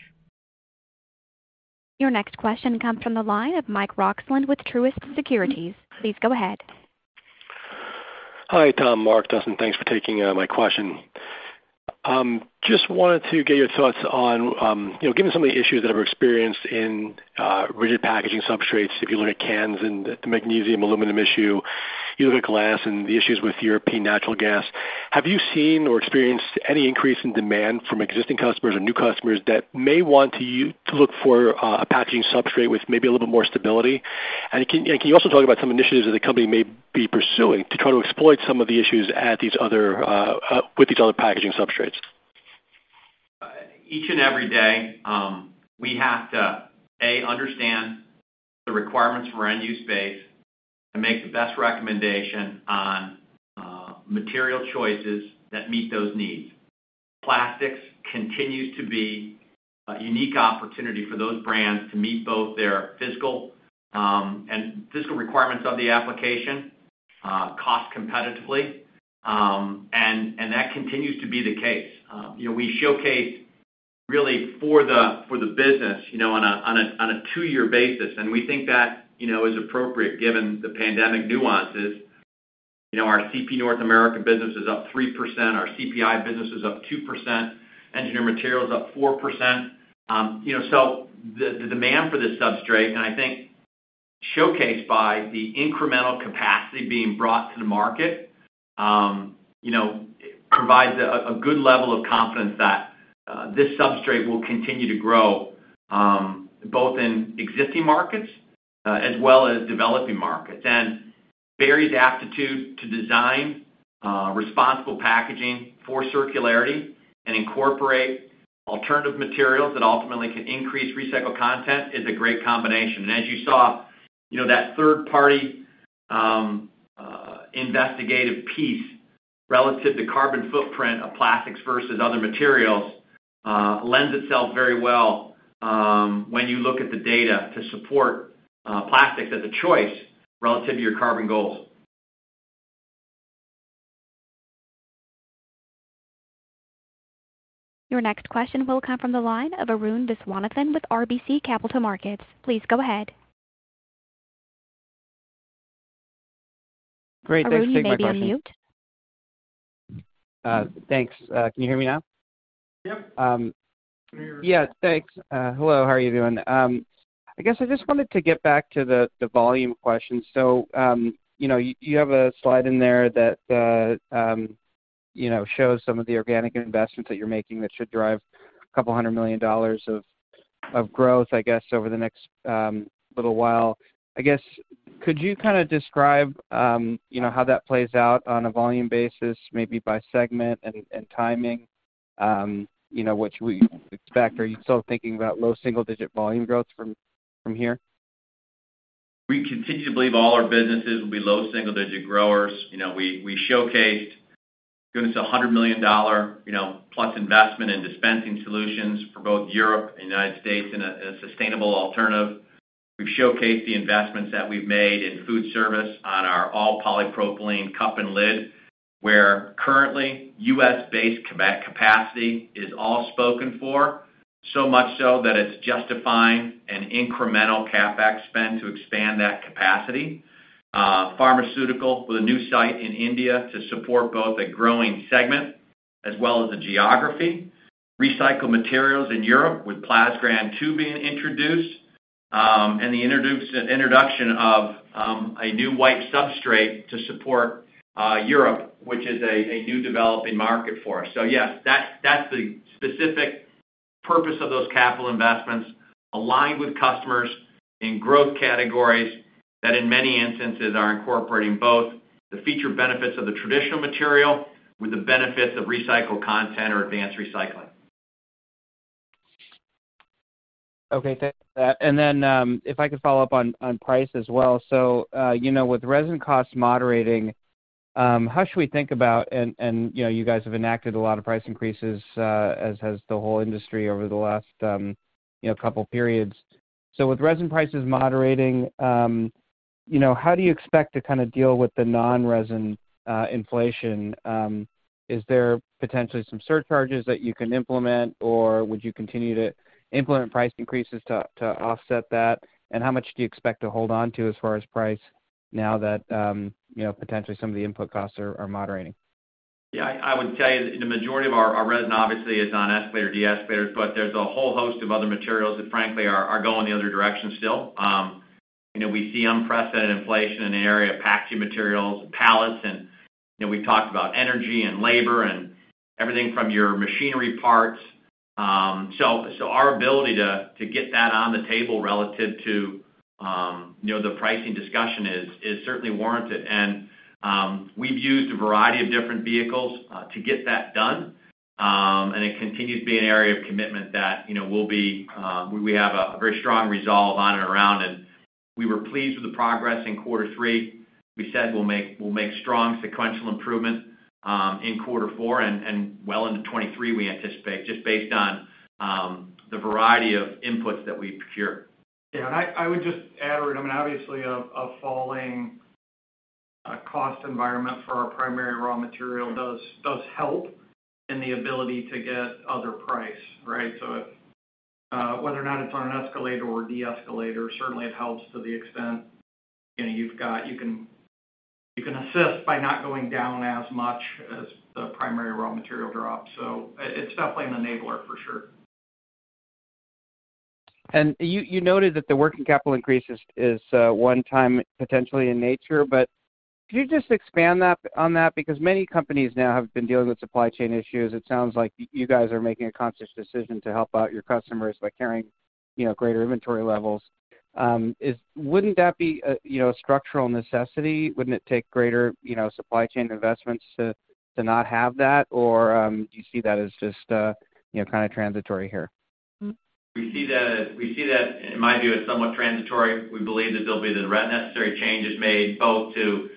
Speaker 1: Your next question comes from the line of Michael Roxland with Truist Securities. Please go ahead.
Speaker 13: Hi, Tom, Mark, Dustin. Thanks for taking my question. Just wanted to get your thoughts on, you know, given some of the issues that were experienced in rigid packaging substrates, if you look at cans and the magnesium aluminum issue, you look at glass and the issues with European natural gas, have you seen or experienced any increase in demand from existing customers or new customers that may want to to look for a packaging substrate with maybe a little bit more stability? And can you also talk about some initiatives that the company may be pursuing to try to exploit some of the issues at these other with these other packaging substrates?
Speaker 3: Each and every day, we have to understand the requirements for our end use base and make the best recommendation on material choices that meet those needs. Plastics continues to be a unique opportunity for those brands to meet both their physical requirements of the application cost competitively. That continues to be the case. You know, we showcase really for the business, you know, on a two-year basis, and we think that, you know, is appropriate given the pandemic nuances. You know, our CP North America business is up 3%, our CPI business is up 2%, Engineered Materials is up 4%. You know, the demand for this substrate, and I think showcased by the incremental capacity being brought to the market, you know, provides a good level of confidence that this substrate will continue to grow, both in existing markets, as well as developing markets. Berry's aptitude to design responsible packaging for circularity and incorporate alternative materials that ultimately can increase recycled content is a great combination. As you saw, you know, that third party investigative piece relative to carbon footprint of plastics versus other materials lends itself very well, when you look at the data to support plastics as a choice relative to your carbon goals.
Speaker 1: Your next question will come from the line of Arun Viswanathan with RBC Capital Markets. Please go ahead.
Speaker 14: Great, thanks for
Speaker 1: Arun, you may be on mute.
Speaker 14: Thanks. Can you hear me now?
Speaker 3: Yep. We can hear you.
Speaker 14: Yeah, thanks. Hello, how are you doing? I guess I just wanted to get back to the volume question. You know, you have a slide in there that shows some of the organic investments that you're making that should drive $200 million of growth, I guess, over the next little while. I guess, could you kind of describe how that plays out on a volume basis, maybe by segment and timing? What should we expect? Are you still thinking about low single digit volume growth from here?
Speaker 3: We continue to believe all our businesses will be low single digit growers. We showcased a $100 million-plus investment in dispensing solutions for both Europe and United States in a sustainable alternative. We've showcased the investments that we've made in food service on our all polypropylene cup and lid, where currently U.S.-based capacity is all spoken for, so much so that it's justifying an incremental CapEx spend to expand that capacity. Pharmaceutical with a new site in India to support both a growing segment as well as the geography. Recycled materials in Europe with Plasgran II being introduced, and the introduction of a new white substrate to support Europe, which is a new developing market for us. Yes, that's the specific purpose of those capital investments aligned with customers in growth categories that in many instances are incorporating both the feature benefits of the traditional material with the benefits of recycled content or advanced recycling.
Speaker 14: Okay, thanks for that. If I could follow up on price as well. You know, with resin costs moderating, how should we think about and you know, you guys have enacted a lot of price increases as has the whole industry over the last you know, couple periods. With resin prices moderating, you know, how do you expect to kind of deal with the non-resin inflation? Is there potentially some surcharges that you can implement, or would you continue to implement price increases to offset that? How much do you expect to hold on to as far as price now that you know, potentially some of the input costs are moderating?
Speaker 3: Yeah, I would tell you the majority of our resin obviously is on escalator/de-escalator, but there's a whole host of other materials that frankly are going the other direction still. You know, we see unprecedented inflation in the area of packaging materials and pallets and, you know, we've talked about energy and labor and everything from your machinery parts. So our ability to get that on the table relative to you know, the pricing discussion is certainly warranted. We've used a variety of different vehicles to get that done. It continues to be an area of commitment that you know, we have a very strong resolve on and around and we were pleased with the progress in quarter three. We said we'll make strong sequential improvement in quarter four and well into 2023. We anticipate just based on the variety of inputs that we procure.
Speaker 4: I would just add, Arun, I mean, obviously a falling cost environment for our primary raw material does help in the ability to get our price, right? So if whether or not it's on an escalator or deescalator, certainly it helps to the extent, you know, you can assist by not going down as much as the primary raw material drops. So it's definitely an enabler for sure.
Speaker 14: You noted that the working capital increase is one-time potentially in nature, but could you just expand on that? Because many companies now have been dealing with supply chain issues. It sounds like you guys are making a conscious decision to help out your customers by carrying, you know, greater inventory levels. Wouldn't that be a, you know, a structural necessity? Wouldn't it take greater, you know, supply chain investments to not have that? Or, do you see that as just a, you know, kind of transitory here?
Speaker 3: We see that, in my view, as somewhat transitory. We believe that there'll be the necessary changes made both to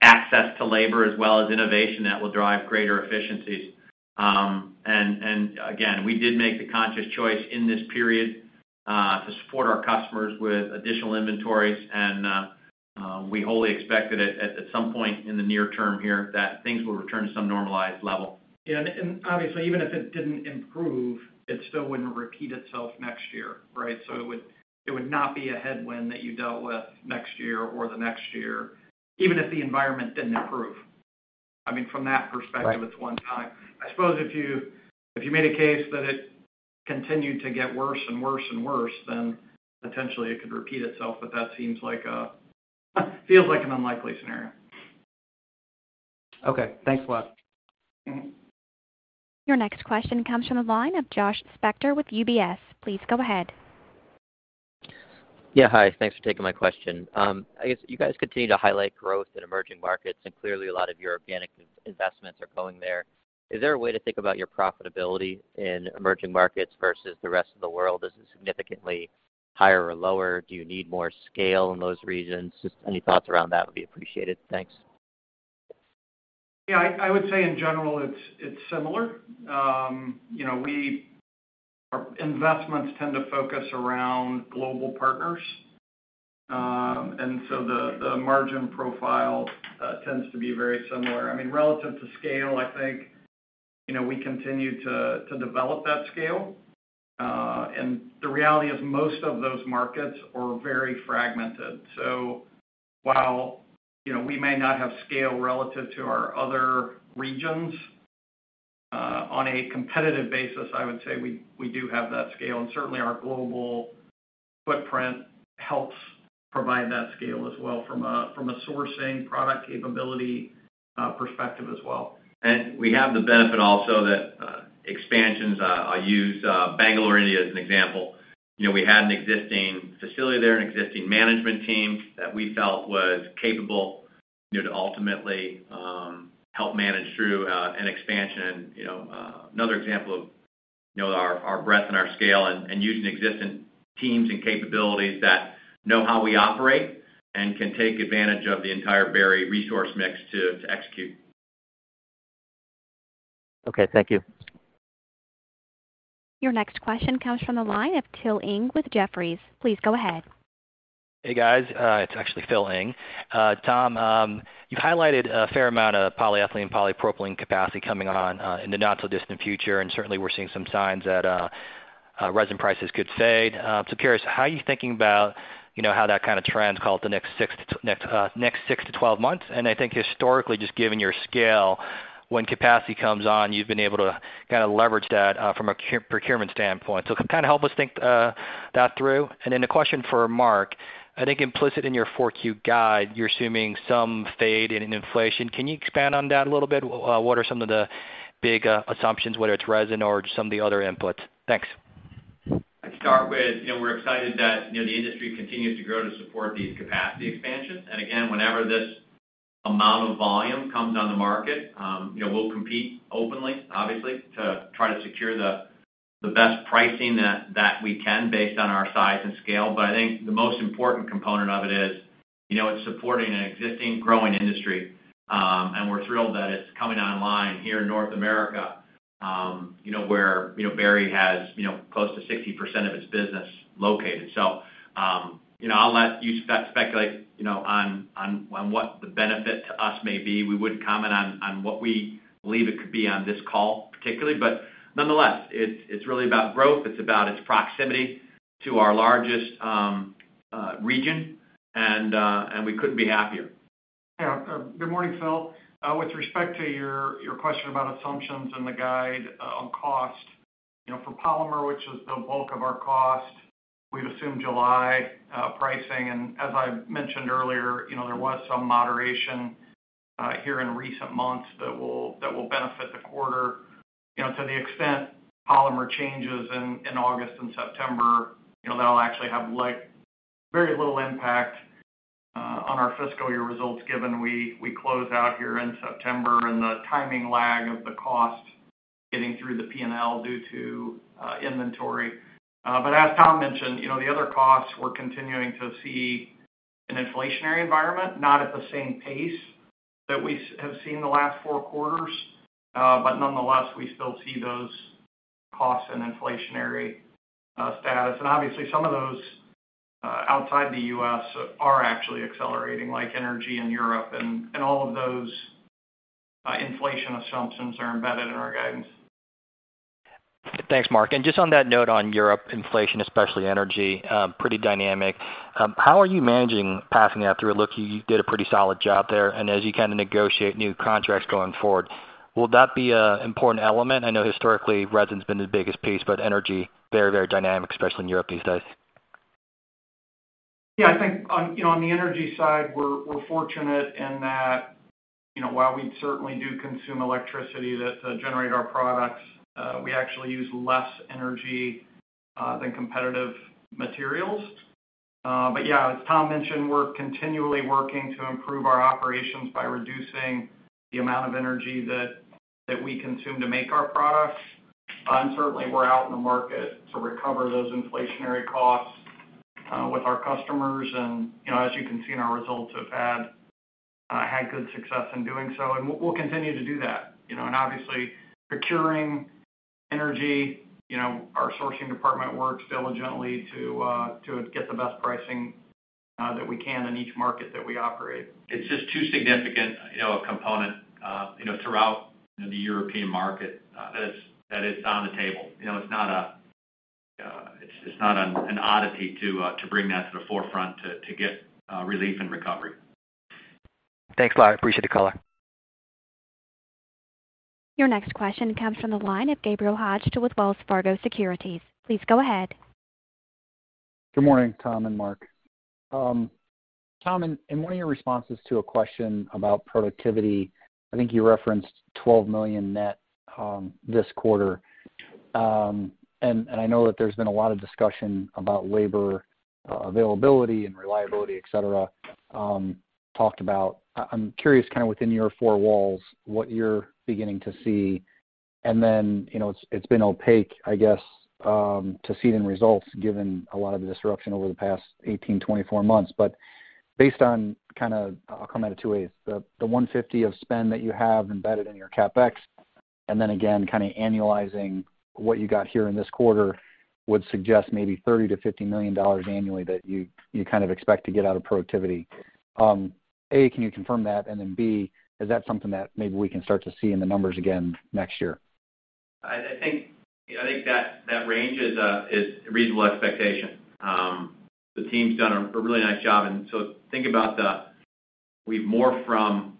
Speaker 3: access to labor as well as innovation that will drive greater efficiencies. Again, we did make the conscious choice in this period to support our customers with additional inventories and we wholly expected it at some point in the near term here that things will return to some normalized level.
Speaker 4: Yeah, obviously, even if it didn't improve, it still wouldn't repeat itself next year, right? It would not be a headwind that you dealt with next year or the next year, even if the environment didn't improve. I mean, from that perspective.
Speaker 3: Right.
Speaker 4: It's one time. I suppose if you made a case that it continued to get worse and worse and worse, then potentially it could repeat itself. But that seems like it feels like an unlikely scenario.
Speaker 14: Okay, thanks a lot.
Speaker 1: Your next question comes from the line of Josh Spector with UBS. Please go ahead.
Speaker 15: Yeah. Hi, thanks for taking my question. I guess you guys continue to highlight growth in emerging markets, and clearly, a lot of your organic investments are going there. Is there a way to think about your profitability in emerging markets versus the rest of the world? Is it significantly higher or lower? Do you need more scale in those regions? Just any thoughts around that would be appreciated. Thanks.
Speaker 4: Yeah, I would say in general it's similar. You know, our investments tend to focus around global partners. The margin profile tends to be very similar. I mean, relative to scale, I think, you know, we continue to develop that scale. The reality is most of those markets are very fragmented. While, you know, we may not have scale relative to our other regions, on a competitive basis, I would say we do have that scale, and certainly, our global footprint helps provide that scale as well from a sourcing product capability perspective as well.
Speaker 3: We have the benefit also that expansions. I'll use Bangalore, India as an example. You know, we had an existing facility there, an existing management team that we felt was capable, you know, to ultimately help manage through an expansion. You know, another example of, you know, our breadth and our scale and using existing teams and capabilities that know how we operate and can take advantage of the entire Berry resource mix to execute.
Speaker 15: Okay, thank you.
Speaker 1: Your next question comes from the line of Philip Ng with Jefferies. Please go ahead.
Speaker 16: Hey, guys. It's actually Phil Ng. Tom, you've highlighted a fair amount of polyethylene, polypropylene capacity coming on in the not so distant future, and certainly we're seeing some signs that resin prices could fade. So curious, how are you thinking about, you know, how that kind of trends, call it, the next six to 12 months? I think historically, just given your scale, when capacity comes on, you've been able to kinda leverage that from a procurement standpoint. So kinda help us think that through. Then a question for Mark. I think implicit in your 4Q guide, you're assuming some fade in an inflation. Can you expand on that a little bit? What are some of the big assumptions, whether it's resin or some of the other inputs? Thanks.
Speaker 3: I can start with, you know, we're excited that, you know, the industry continues to grow to support these capacity expansions. Again, whenever this amount of volume comes on the market, you know, we'll compete openly, obviously, to try to secure the best pricing that we can based on our size and scale. I think the most important component of it is, you know, it's supporting an existing growing industry. We're thrilled that it's coming online here in North America, you know, where, you know, Berry has, you know, close to 60% of its business located. You know, I'll let you speculate, you know, on what the benefit to us may be. We wouldn't comment on what we believe it could be on this call particularly, but nonetheless, it's really about growth. It's about its proximity to our largest region, and we couldn't be happier.
Speaker 4: Yeah. Good morning, Philip. With respect to your question about assumptions and the guide on cost, you know, for polymer, which is the bulk of our cost, we've assumed July pricing, and as I mentioned earlier, you know, there was some moderation here in recent months that will benefit the quarter. You know, to the extent polymer changes in August and September, you know, that'll actually have very little impact on our fiscal year results given we close out here in September and the timing lag of the cost getting through the P&L due to inventory. As Tom mentioned, you know, the other costs, we're continuing to see an inflationary environment, not at the same pace that we have seen the last four quarters. Nonetheless, we still see those costs and inflationary status. Obviously, some of those outside the U.S. are actually accelerating, like energy in Europe and all of those inflation assumptions are embedded in our guidance.
Speaker 16: Thanks, Mark. Just on that note on Europe inflation, especially energy, pretty dynamic, how are you managing passing that through? It looks you did a pretty solid job there. As you kinda negotiate new contracts going forward, will that be a important element? I know historically resin's been the biggest piece, but energy, very, very dynamic, especially in Europe these days.
Speaker 4: Yeah, I think on, you know, on the energy side, we're fortunate in that, you know, while we certainly do consume electricity that to generate our products, we actually use less energy than competitive materials. Yeah, as Tom mentioned, we're continually working to improve our operations by reducing the amount of energy that we consume to make our products. Certainly, we're out in the market to recover those inflationary costs with our customers. You know, as you can see in our results, have had good success in doing so, and we'll continue to do that, you know. Obviously, procuring energy, you know, our sourcing department works diligently to get the best pricing that we can in each market that we operate.
Speaker 3: It's just too significant, you know, a component, you know, throughout the European market, that is on the table. You know, it's not an oddity to bring that to the forefront to get relief and recovery.
Speaker 16: Thanks a lot. I appreciate the call.
Speaker 1: Your next question comes from the line of Gabe Hajde with Wells Fargo Securities. Please go ahead.
Speaker 17: Good morning, Tom and Mark. Tom, in one of your responses to a question about productivity, I think you referenced $12 million net this quarter. I know that there's been a lot of discussion about labor availability and reliability, etc, talked about. I'm curious, kind of within your four walls, what you're beginning to see. Then, you know, it's been opaque, I guess, to see it in results, given a lot of the disruption over the past 18, 24 months. Based on kind of, I'll come at it two ways. The $150 million of spend that you have embedded in your CapEx, and then again, kinda annualizing what you got here in this quarter, would suggest maybe $30 million-$50 million annually that you kind of expect to get out of productivity. A, can you confirm that? B, is that something that maybe we can start to see in the numbers again next year?
Speaker 3: I think that range is a reasonable expectation. The team's done a really nice job. We've morphed from,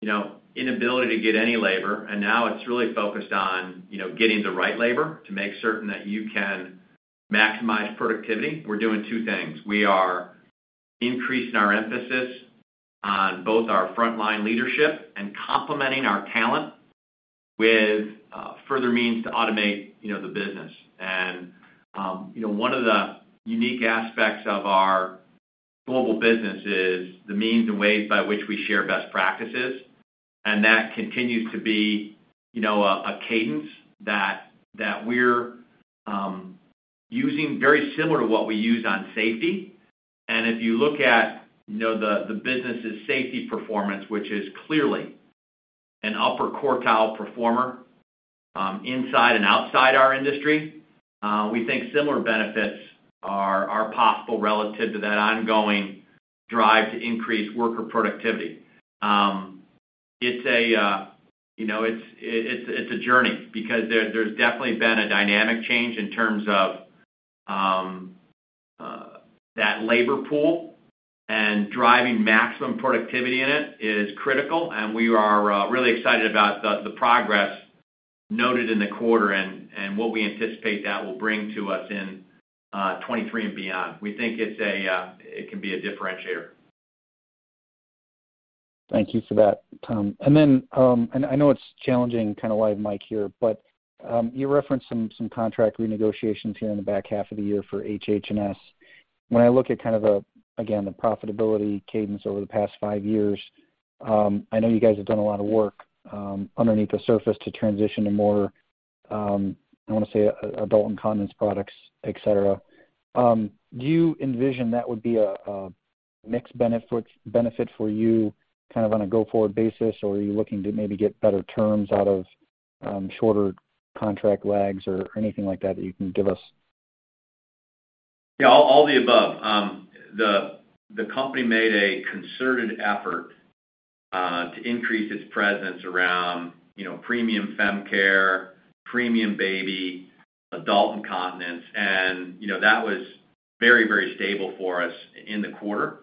Speaker 3: you know, inability to get any labor, and now it's really focused on, you know, getting the right labor to make certain that you can maximize productivity. We're doing two things. We are increasing our emphasis on both our frontline leadership and complementing our talent with further means to automate, you know, the business. You know, one of the unique aspects of our global business is the means and ways by which we share best practices, and that continues to be, you know, a cadence that we're using very similar to what we use on safety. If you look at, you know, the business' safety performance, which is clearly an upper quartile performer inside and outside our industry, we think similar benefits are possible relative to that ongoing drive to increase worker productivity. It's a journey because there's definitely been a dynamic change in terms of that labor pool and driving maximum productivity in it is critical, and we are really excited about the progress noted in the quarter and what we anticipate that will bring to us in 2023 and beyond. We think it can be a differentiator.
Speaker 17: Thank you for that, Tom. I know it's challenging kind of live mic here, but you referenced some contract renegotiations here in the back half of the year for HH&S. When I look at kind of a, again, the profitability cadence over the past five years, I know you guys have done a lot of work underneath the surface to transition to more, I wanna say adult incontinence products, etc. Do you envision that would be a mixed benefit for you kind of on a go-forward basis, or are you looking to maybe get better terms out of shorter contract lags or anything like that you can give us?
Speaker 3: Yeah, all the above. The company made a concerted effort to increase its presence around, you know, premium fem care, premium baby, adult incontinence. You know, that was very stable for us in the quarter,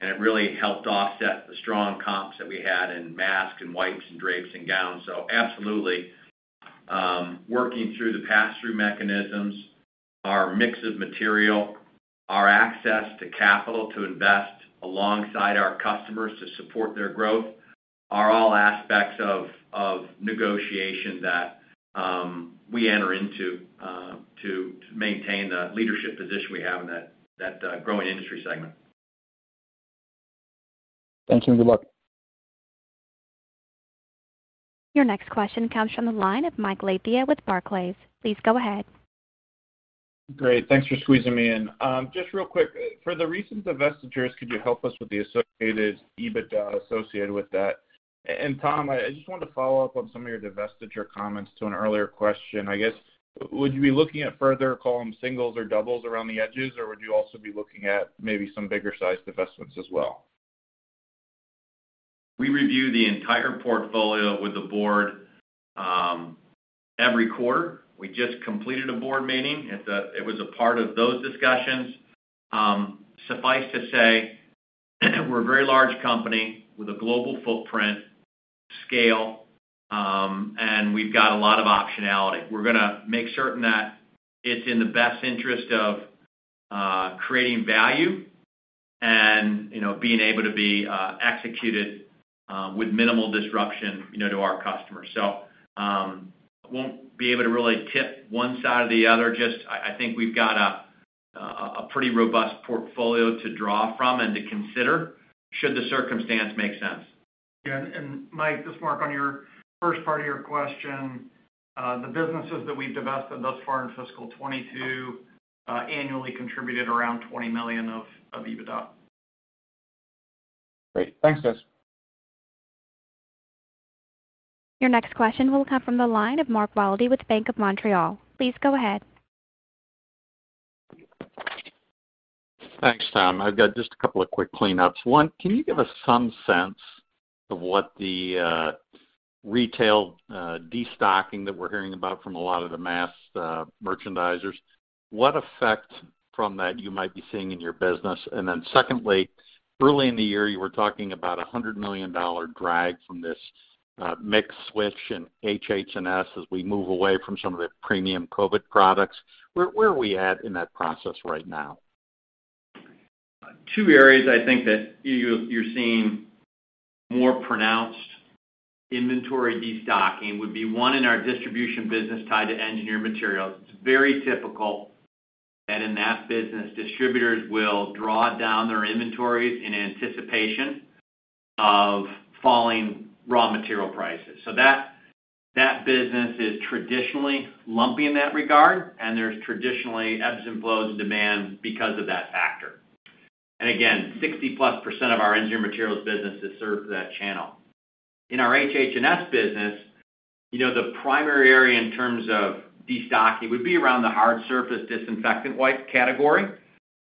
Speaker 3: and it really helped offset the strong comps that we had in masks and wipes and drapes and gowns. Absolutely, working through the pass-through mechanisms, our mix of material, our access to capital to invest alongside our customers to support their growth are all aspects of negotiation that we enter into to maintain the leadership position we have in that growing industry segment.
Speaker 17: Thanks, and good luck.
Speaker 1: Your next question comes from the line of Michael Leithead with Barclays. Please go ahead.
Speaker 18: Great. Thanks for squeezing me in. Just real quick. For the recent divestitures, could you help us with the associated EBITDA with that? Tom, I just wanted to follow up on some of your divestiture comments to an earlier question. I guess, would you be looking at further column singles or doubles around the edges, or would you also be looking at maybe some bigger sized divestments as well?
Speaker 3: We review the entire portfolio with the board every quarter. We just completed a board meeting. It was a part of those discussions. Suffice to say, we're a very large company with a global footprint, scale, and we've got a lot of optionality. We're gonna make certain that it's in the best interest of creating value. And, you know, being able to be executed with minimal disruption, you know, to our customers. Won't be able to really tip one side or the other. I think we've got a pretty robust portfolio to draw from and to consider should the circumstance make sense.
Speaker 4: Mark, on your first part of your question, the businesses that we've divested thus far in fiscal 2022 annually contributed around $20 million of EBITDA.
Speaker 18: Great. Thanks, guys.
Speaker 1: Your next question will come from the line of Mark Wilde with Bank of Montreal. Please go ahead.
Speaker 19: Thanks, Tom. I've got just a couple of quick cleanups. One, can you give us some sense of what the retail destocking that we're hearing about from a lot of the mass merchandisers, what effect from that you might be seeing in your business? Secondly, early in the year, you were talking about a $100 million-dollar drag from this mix switch in HH&S as we move away from some of the premium COVID products. Where are we at in that process right now?
Speaker 3: Two areas I think that you're seeing more pronounced inventory destocking would be one in our distribution business tied to Engineered Materials. It's very typical that in that business, distributors will draw down their inventories in anticipation of falling raw material prices. That business is traditionally lumpy in that regard, and there's traditionally ebbs and flows in demand because of that factor. Again, 60%+ of our Engineered Materials business has served that channel. In our HH&S business, you know, the primary area in terms of destocking would be around the hard surface disinfectant wipe category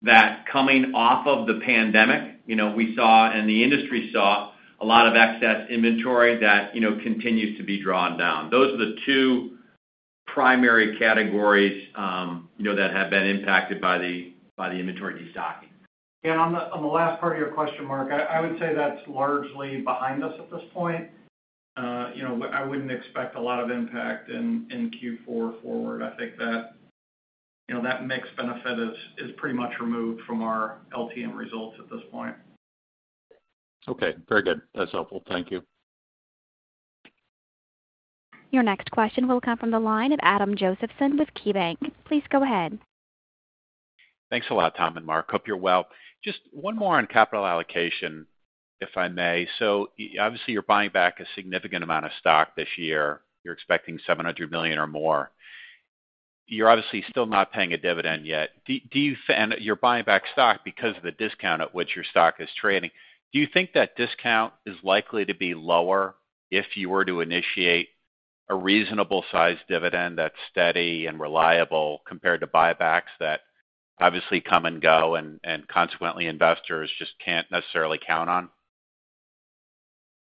Speaker 3: that coming off of the pandemic, you know, we saw and the industry saw a lot of excess inventory that, you know, continues to be drawn down. Those are the two primary categories, you know, that have been impacted by the inventory destocking.
Speaker 4: On the last part of your question, Mark, I would say that's largely behind us at this point. You know, I wouldn't expect a lot of impact in Q4 forward. I think you know that mix benefit is pretty much removed from our LTM results at this point.
Speaker 19: Okay, very good. That's helpful. Thank you.
Speaker 1: Your next question will come from the line of Adam Josephson with KeyBanc Capital Markets. Please go ahead.
Speaker 20: Thanks a lot, Tom and Mark. Hope you're well. Just one more on capital allocation, if I may. Obviously, you're buying back a significant amount of stock this year. You're expecting $700 million or more. You're obviously still not paying a dividend yet. You're buying back stock because of the discount at which your stock is trading. Do you think that discount is likely to be lower if you were to initiate a reasonable size dividend that's steady and reliable compared to buybacks that obviously come and go, and consequently investors just can't necessarily count on?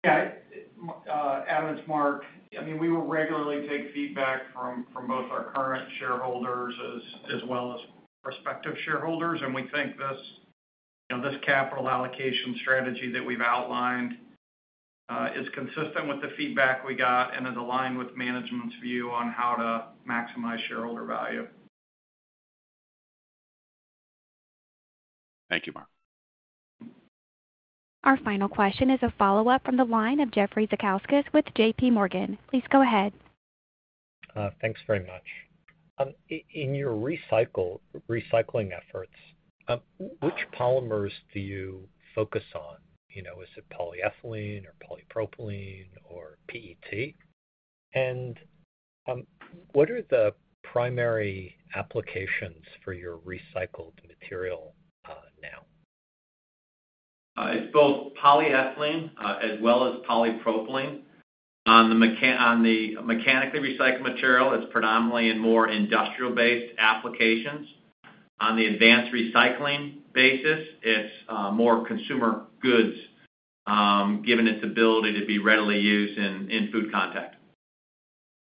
Speaker 4: Adam, it's Mark. I mean, we will regularly take feedback from both our current shareholders as well as prospective shareholders, and we think this, you know, this capital allocation strategy that we've outlined, is consistent with the feedback we got and is aligned with management's view on how to maximize shareholder value.
Speaker 20: Thank you, Mark.
Speaker 1: Our final question is a follow-up from the line of Jeffrey Zekauskas with J.P. Morgan. Please go ahead.
Speaker 12: Thanks very much. In your recycling efforts, which polymers do you focus on? You know, is it polyethylene or polypropylene or PET? What are the primary applications for your recycled material now?
Speaker 3: It's both polyethylene, as well as polypropylene. On the mechanically recycled material, it's predominantly in more industrial-based applications. On the advanced recycling basis, it's more consumer goods, given its ability to be readily used in food contact.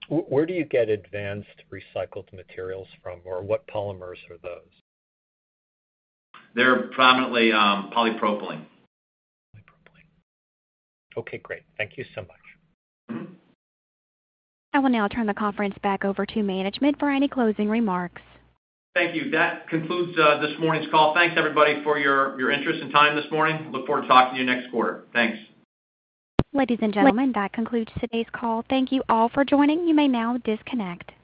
Speaker 12: Where do you get advanced recycled materials from, or what polymers are those?
Speaker 3: They're predominantly polypropylene.
Speaker 12: Polypropylene. Okay, great. Thank you so much.
Speaker 3: Mm-hmm.
Speaker 1: I will now turn the conference back over to management for any closing remarks.
Speaker 3: Thank you. That concludes this morning's call. Thanks, everybody, for your interest and time this morning. Look forward to talking to you next quarter. Thanks.
Speaker 1: Ladies and gentlemen, that concludes today's call. Thank you all for joining. You may now disconnect.